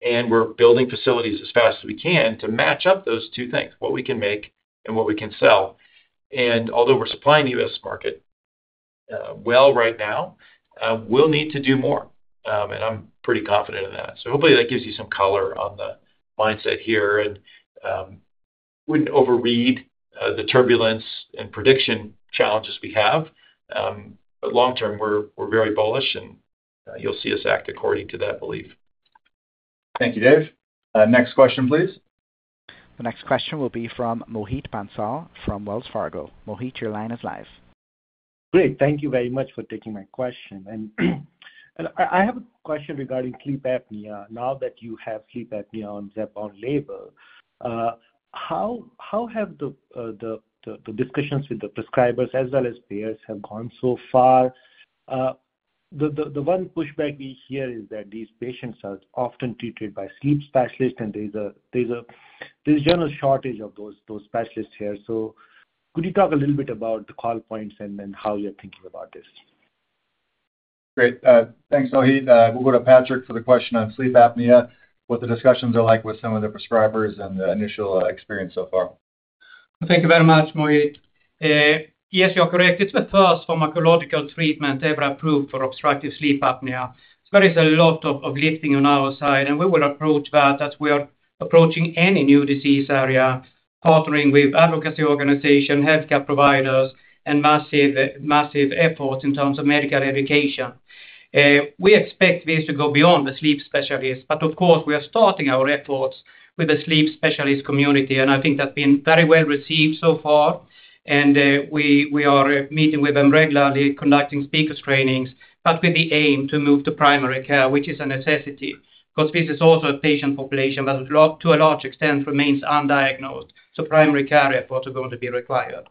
[SPEAKER 3] And we're building facilities as fast as we can to match up those two things, what we can make and what we can sell. And although we're supplying the U.S. market well right now, we'll need to do more. And I'm pretty confident in that. So hopefully, that gives you some color on the mindset here and wouldn't overread the turbulence and prediction challenges we have. But long-term, we're very bullish, and you'll see us act according to that belief.
[SPEAKER 2] Thank you, Dave. Next question, please.
[SPEAKER 1] The next question will be from Mohit Bansal from Wells Fargo. Mohit, your line is live.
[SPEAKER 17] Great. Thank you very much for taking my question. And I have a question regarding sleep apnea. Now that you have sleep apnea on label, how have the discussions with the prescribers as well as payers have gone so far? The one pushback we hear is that these patients are often treated by sleep specialists, and there's a general shortage of those specialists here. So could you talk a little bit about the call points and then how you're thinking about this?
[SPEAKER 2] Great. Thanks, Mohit. We'll go to Patrick for the question on sleep apnea, what the discussions are like with some of the prescribers and the initial experience so far.
[SPEAKER 8] Thank you very much, Mohit. Yes, you're correct. It's the first pharmacological treatment ever approved for obstructive sleep apnea. There is a lot of lifting on our side, and we will approach that as we are approaching any new disease area, partnering with advocacy organizations, healthcare providers, and massive efforts in terms of medical education. We expect this to go beyond the sleep specialists, but of course, we are starting our efforts with the sleep specialist community, and I think that's been very well received so far. And we are meeting with them regularly, conducting speakers' trainings, but with the aim to move to primary care, which is a necessity because this is also a patient population that, to a large extent, remains undiagnosed, so primary care efforts are going to be required.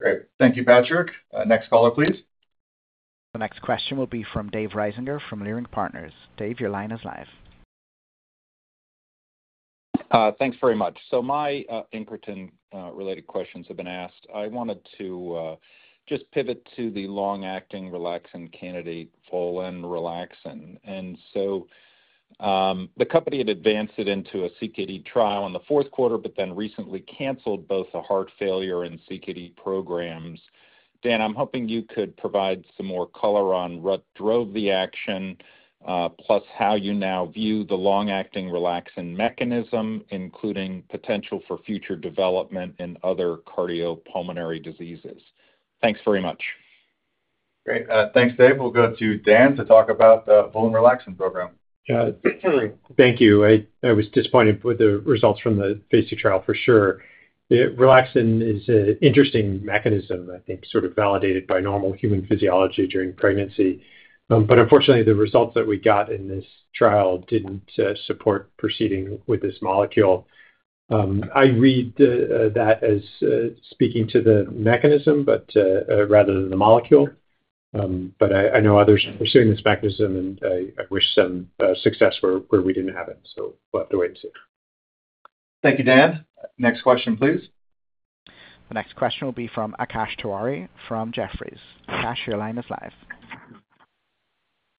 [SPEAKER 2] Great. Thank you, Patrick. Next caller, please.
[SPEAKER 1] The next question will be from Dave Risinger from Leerink Partners. Dave, your line is live.
[SPEAKER 18] Thanks very much. So my incretin-related questions have been asked. I wanted to just pivot to the long-acting relaxin candidate, long-acting relaxin. And so the company had advanced it into a CKD trial in the fourth quarter, but then recently canceled both the heart failure and CKD programs. Dan, I'm hoping you could provide some more color on what drove the action, plus how you now view the long-acting relaxin mechanism, including potential for future development in other cardiopulmonary diseases. Thanks very much.
[SPEAKER 2] Great. Thanks, Dave. We'll go to Dan to talk about the long-acting relaxin program.
[SPEAKER 5] Thank you. I was disappointed with the results from the phase two trial, for sure. Relaxin is an interesting mechanism, I think, sort of validated by normal human physiology during pregnancy. But unfortunately, the results that we got in this trial didn't support proceeding with this molecule. I read that as speaking to the mechanism rather than the molecule. But I know others are pursuing this mechanism, and I wish some success where we didn't have it. So we'll have to wait and see.
[SPEAKER 2] Thank you, Dan. Next question, please.
[SPEAKER 1] The next question will be from Akash Tewari from Jefferies. Akash, your line is live.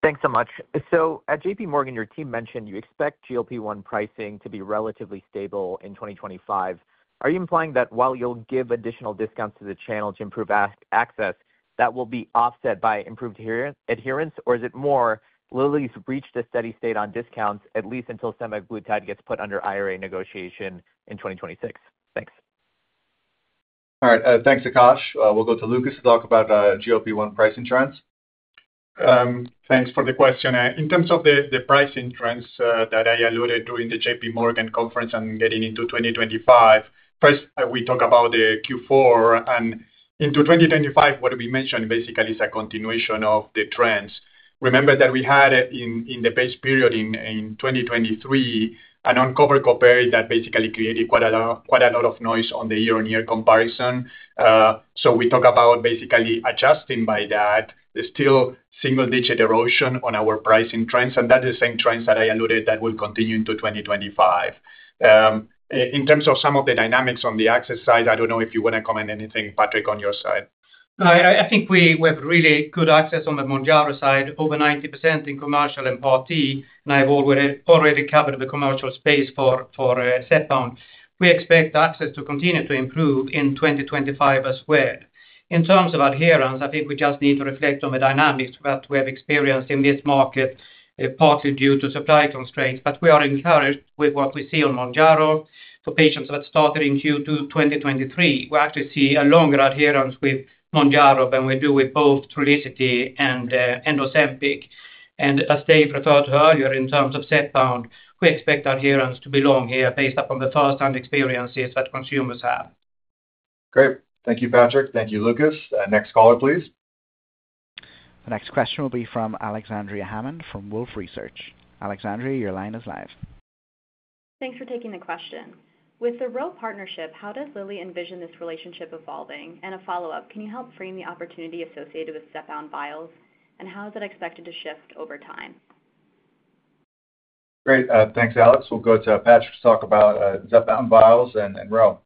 [SPEAKER 19] Thanks so much. So at JPMorgan, your team mentioned you expect GLP-1 pricing to be relatively stable in 2025. Are you implying that while you'll give additional discounts to the channel to improve access, that will be offset by improved adherence, or is it more Lilly's reached a steady state on discounts, at least until semaglutide gets put under IRA negotiation in 2026? Thanks.
[SPEAKER 2] All right. Thanks, Akash. We'll go to Lucas to talk about GLP-1 price insurance.
[SPEAKER 4] Thanks for the question. In terms of the pricing trends that I alluded to in the JPMorgan conference and getting into 2025, first, we talk about the Q4 and into 2025, what we mentioned basically is a continuation of the trends. Remember that we had in the base period in 2023, an uncovered copay that basically created quite a lot of noise on the year-on-year comparison. So we talk about basically adjusting by that, still single-digit erosion on our pricing trends, and that is the same trends that I alluded that will continue into 2025. In terms of some of the dynamics on the access side, I don't know if you want to comment anything, Patrick, on your side.
[SPEAKER 8] I think we have really good access on the Mounjaro side, over 90% in commercial and Part D, and I've already covered the commercial space for Zepbound. We expect access to continue to improve in 2025 as well. In terms of adherence, I think we just need to reflect on the dynamics that we have experienced in this market, partly due to supply constraints, but we are encouraged with what we see on Mounjaro for patients that started in Q2 2023. We actually see a longer adherence with Mounjaro than we do with both Trulicity and Ozempic, and as Dave referred to earlier, in terms of Zepbound, we expect adherence to be long here based upon the first-hand experiences that consumers have.
[SPEAKER 2] Great. Thank you, Patrick. Thank you, Lucas. Next caller, please.
[SPEAKER 1] The next question will be from Alexandria Hammond from Wolfe Research. Alexandria, your line is live.
[SPEAKER 20] Thanks for taking the question. With the Ro partnership, how does Lilly envision this relationship evolving? And a follow-up, can you help frame the opportunity associated with Zepbound vials, and how is it expected to shift over time?
[SPEAKER 2] Great. Thanks, Alex. We'll go to Patrick to talk about Zepbound vials and ROW.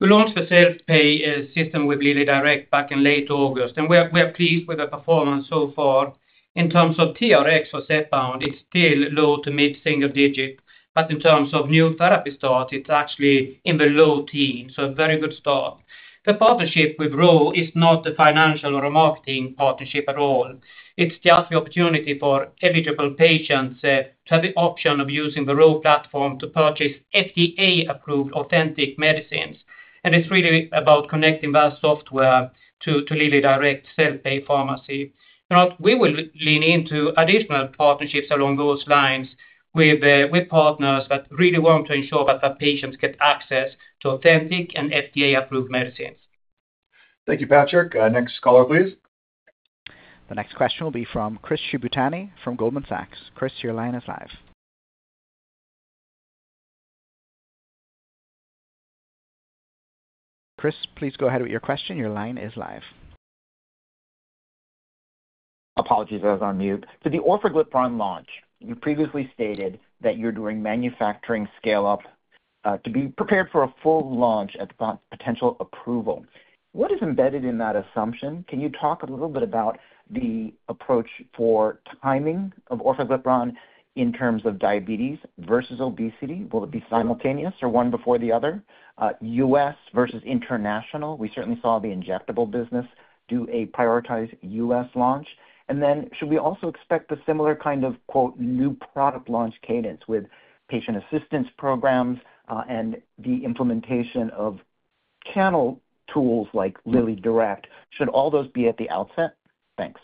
[SPEAKER 8] We launched a self-pay system with LillyDirect back in late August, and we are pleased with the performance so far. In terms of TRx for Zepbound, it's still low- to mid-single-digit, but in terms of new therapy start, it's actually in the low teens, so a very good start. The partnership with Ro is not a financial or a marketing partnership at all. It's just the opportunity for eligible patients to have the option of using the Ro platform to purchase FDA-approved authentic medicines. And it's really about connecting that software to LillyDirect self-pay pharmacy. We will lean into additional partnerships along those lines with partners that really want to ensure that the patients get access to authentic and FDA-approved medicines.
[SPEAKER 2] Thank you, Patrick. Next caller, please.
[SPEAKER 1] The next question will be from Chris Shibutani from Goldman Sachs. Chris, your line is live. Chris, please go ahead with your question. Your line is live.
[SPEAKER 21] Apologies. I was on mute. To the orforglipron launch, you previously stated that you're doing manufacturing scale-up to be prepared for a full launch at potential approval. What is embedded in that assumption? Can you talk a little bit about the approach for timing of orforglipron in terms of diabetes versus obesity? Will it be simultaneous or one before the other? U.S. versus international? We certainly saw the injectable business do a prioritized U.S. launch. And then should we also expect the similar kind of "new product launch cadence" with patient assistance programs and the implementation of channel tools like LillyDirect? Should all those be at the outset? Thanks.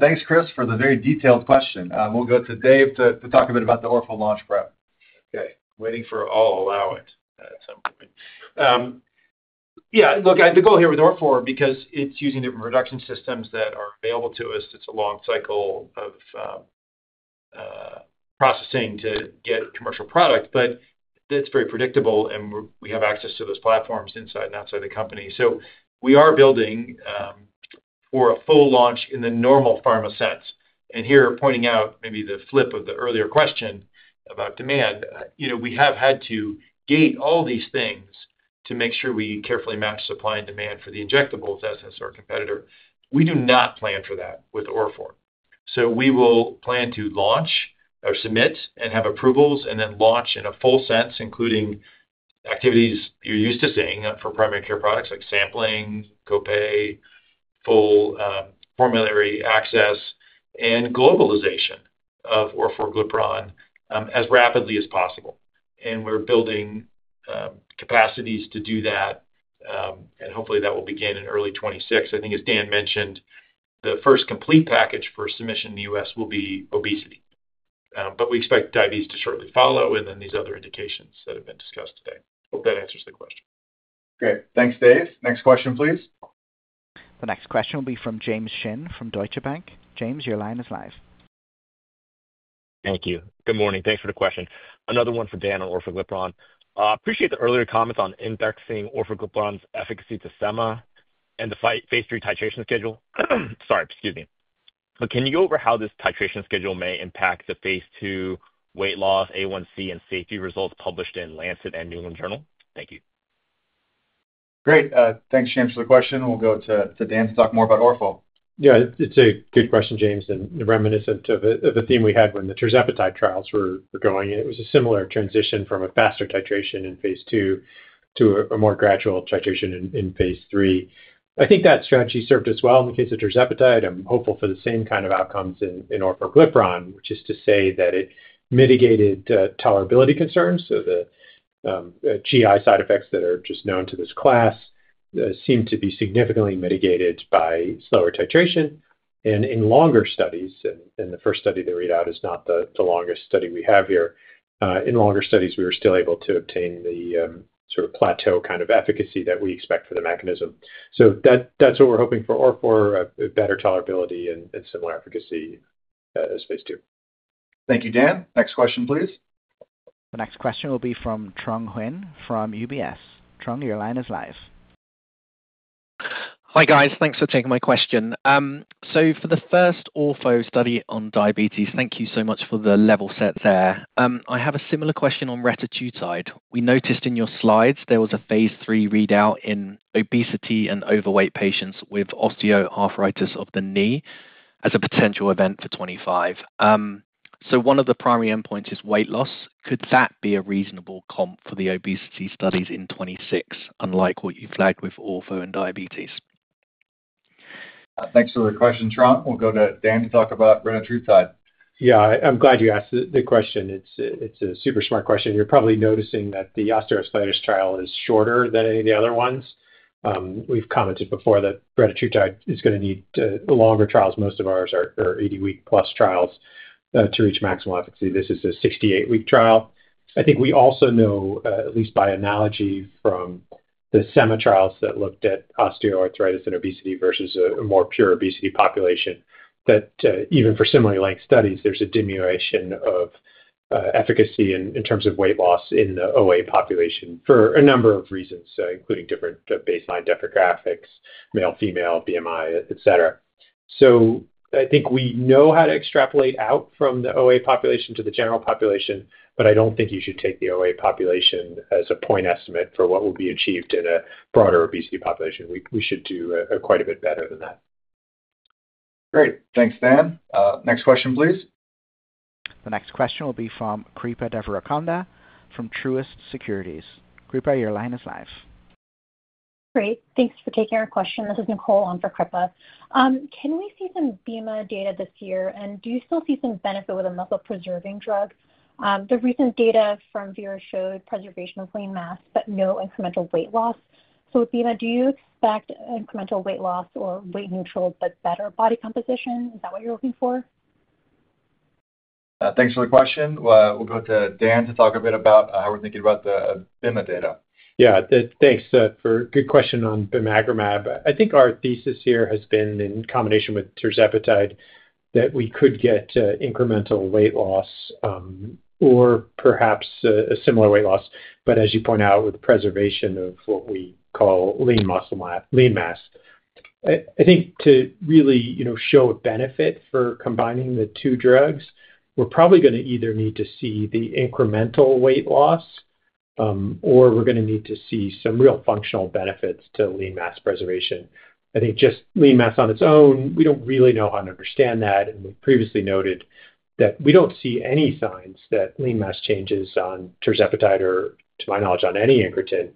[SPEAKER 2] Thanks, Chris, for the very detailed question. We'll go to Dave to talk a bit about the orforglipron launch prep.
[SPEAKER 3] Okay. Waiting for all launches at some point. Yeah. Look, the goal here with orforglipron is because it's using different production systems that are available to us. It's a long cycle of processing to get commercial product, but it's very predictable, and we have access to those platforms inside and outside the company. So we are building for a full launch in the normal pharma sense. Here, pointing out maybe the flip side of the earlier question about demand, we have had to gate all these things to make sure we carefully match supply and demand for the injectables as our competitor. We do not plan for that with orforglipron. So we will plan to launch or submit and have approvals and then launch in a full sense, including activities you're used to seeing for primary care products like sampling, copay, full formulary access, and globalization of orforglipron as rapidly as possible. And we're building capacities to do that, and hopefully, that will begin in early 2026. I think, as Dan mentioned, the first complete package for submission in the U.S. will be obesity. But we expect diabetes to shortly follow and then these other indications that have been discussed today. Hope that answers the question.
[SPEAKER 2] Great. Thanks, Dave. Next question, please.
[SPEAKER 1] The next question will be from James Shin from Deutsche Bank. James, your line is live.
[SPEAKER 22] Thank you. Good morning. Thanks for the question. Another one for Dan on orforglipron. I appreciate the earlier comments on indexing orforglipron's efficacy to sema and the phase 3 titration schedule. Sorry, excuse me. But can you go over how this titration schedule may impact the phase 2 weight loss, A1C, and safety results published in Lancet and New England Journal? Thank you.
[SPEAKER 2] Great. Thanks, James, for the question. We'll go to Dan to talk more about orforglipron.
[SPEAKER 5] Yeah. It's a good question, James, and reminiscent of a theme we had when the tirzepatide trials were going. It was a similar transition from a faster titration in phase two to a more gradual titration in phase three. I think that strategy served us well in the case of tirzepatide. I'm hopeful for the same kind of outcomes in orforglipron, which is to say that it mitigated tolerability concerns. So the GI side effects that are just known to this class seem to be significantly mitigated by slower titration. And in longer studies, and the first study to read out is not the longest study we have here. In longer studies, we were still able to obtain the sort of plateau kind of efficacy that we expect for the mechanism. So that's what we're hoping for orforglipron, better tolerability, and similar efficacy as phase two.
[SPEAKER 2] Thank you, Dan. Next question, please.
[SPEAKER 1] The next question will be from Trung Huynh from UBS. Trung, your line is live.
[SPEAKER 23] Hi guys. Thanks for taking my question. So for the first orforglipron study on diabetes, thank you so much for the level set there. I have a similar question on retatrutide. We noticed in your slides there was a phase 3 readout in obesity and overweight patients with osteoarthritis of the knee as a potential event for 2025. So one of the primary endpoints is weight loss. Could that be a reasonable comp for the obesity studies in 2026, unlike what you flagged with orforglipron and diabetes?
[SPEAKER 2] Thanks for the question, Truong. We'll go to Dan to talk about retatrutide.
[SPEAKER 5] Yeah. I'm glad you asked the question. It's a super smart question. You're probably noticing that the osteoarthritis trial is shorter than any of the other ones. We've commented before that retatrutide is going to need longer trials. Most of ours are 80-week-plus trials to reach maximal efficacy. This is a 68-week trial. I think we also know, at least by analogy from the SEMA trials that looked at osteoarthritis and obesity versus a more pure obesity population, that even for similarly length studies, there's a diminution of efficacy in terms of weight loss in the OA population for a number of reasons, including different baseline demographics, male, female, BMI, etc. So I think we know how to extrapolate out from the OA population to the general population, but I don't think you should take the OA population as a point estimate for what will be achieved in a broader obesity population. We should do quite a bit better than that.
[SPEAKER 2] Great. Thanks, Dan. Next question, please.
[SPEAKER 1] The next question will be from Kripa Devarakonda from Truist Securities. Kripa, your line is live.
[SPEAKER 24] Great. Thanks for taking our question. This is Nicole on for Kripa. Can we see some BMI data this year, and do you still see some benefit with a muscle-preserving drug? The recent data from Versanis showed preservation of lean mass, but no incremental weight loss. So with bimagrumab, do you expect incremental weight loss or weight neutral, but better body composition? Is that what you're looking for?
[SPEAKER 2] Thanks for the question. We'll go to Dan to talk a bit about how we're thinking about the BMI data.
[SPEAKER 5] Yeah. Thanks for a good question on bimagrumab. I think our thesis here has been, in combination with tirzepatide, that we could get incremental weight loss or perhaps a similar weight loss, but as you point out, with preservation of what we call lean mass. I think to really show a benefit for combining the two drugs, we're probably going to either need to see the incremental weight loss, or we're going to need to see some real functional benefits to lean mass preservation. I think just lean mass on its own, we don't really know how to understand that. And we previously noted that we don't see any signs that lean mass changes on tirzepatide or, to my knowledge, on any incretin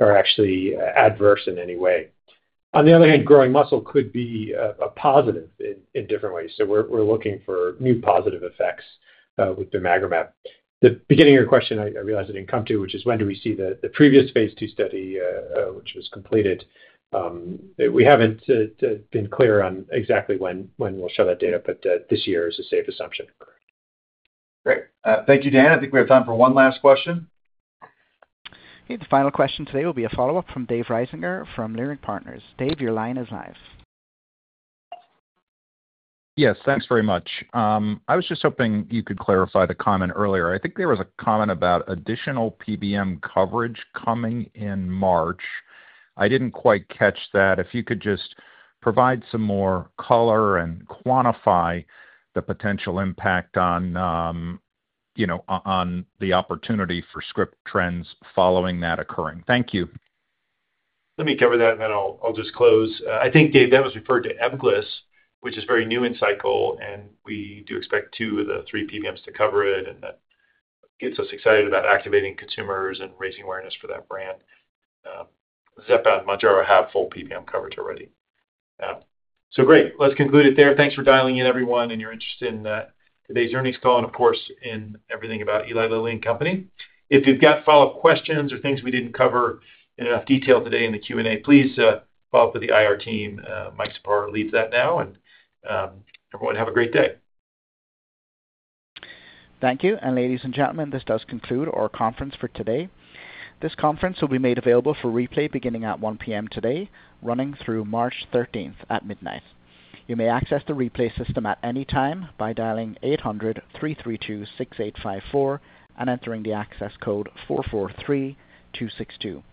[SPEAKER 5] are actually adverse in any way. On the other hand, growing muscle could be a positive in different ways. We're looking for new positive effects with bimagrumab. The beginning of your question, I realize I didn't come to, which is when do we see the previous phase two study, which was completed? We haven't been clear on exactly when we'll show that data, but this year is a safe assumption.
[SPEAKER 2] Great. Thank you, Dan. I think we have time for one last question.
[SPEAKER 1] The final question today will be a follow-up from Dave Risinger from Leerink Partners. Dave, your line is live.
[SPEAKER 18] Yes. Thanks very much. I was just hoping you could clarify the comment earlier. I think there was a comment about additional PBM coverage coming in March. I didn't quite catch that. If you could just provide some more color and quantify the potential impact on the opportunity for script trends following that occurring. Thank you.
[SPEAKER 3] Let me cover that, and then I'll just close. I think, Dave, that was referred to Ebglyss, which is very new in cycle, and we do expect two of the three PBMs to cover it, and that gets us excited about activating consumers and raising awareness for that brand. Zepbound and Mounjaro have full PBM coverage already. So great. Let's conclude it there. Thanks for dialing in, everyone, and your interest in today's earnings call and, of course, in everything about Eli Lilly and Company. If you've got follow-up questions or things we didn't cover in enough detail today in the Q&A, please follow up with the IR team. Mike Szapary leads that now, and everyone, have a great day.
[SPEAKER 1] Thank you. And ladies and gentlemen, this does conclude our conference for today. This conference will be made available for replay beginning at 1:00 P.M. today, running through March 13th at midnight. You may access the replay system at any time by dialing 800-332-6854 and entering the access code 443262.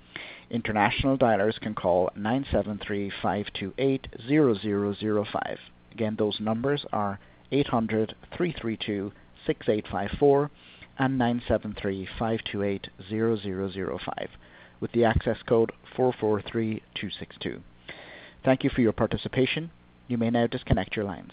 [SPEAKER 1] International dialers can call 973-528-0005. Again, those numbers are 800-332-6854 and 973-528-0005, with the access code 443262. Thank you for your participation. You may now disconnect your lines.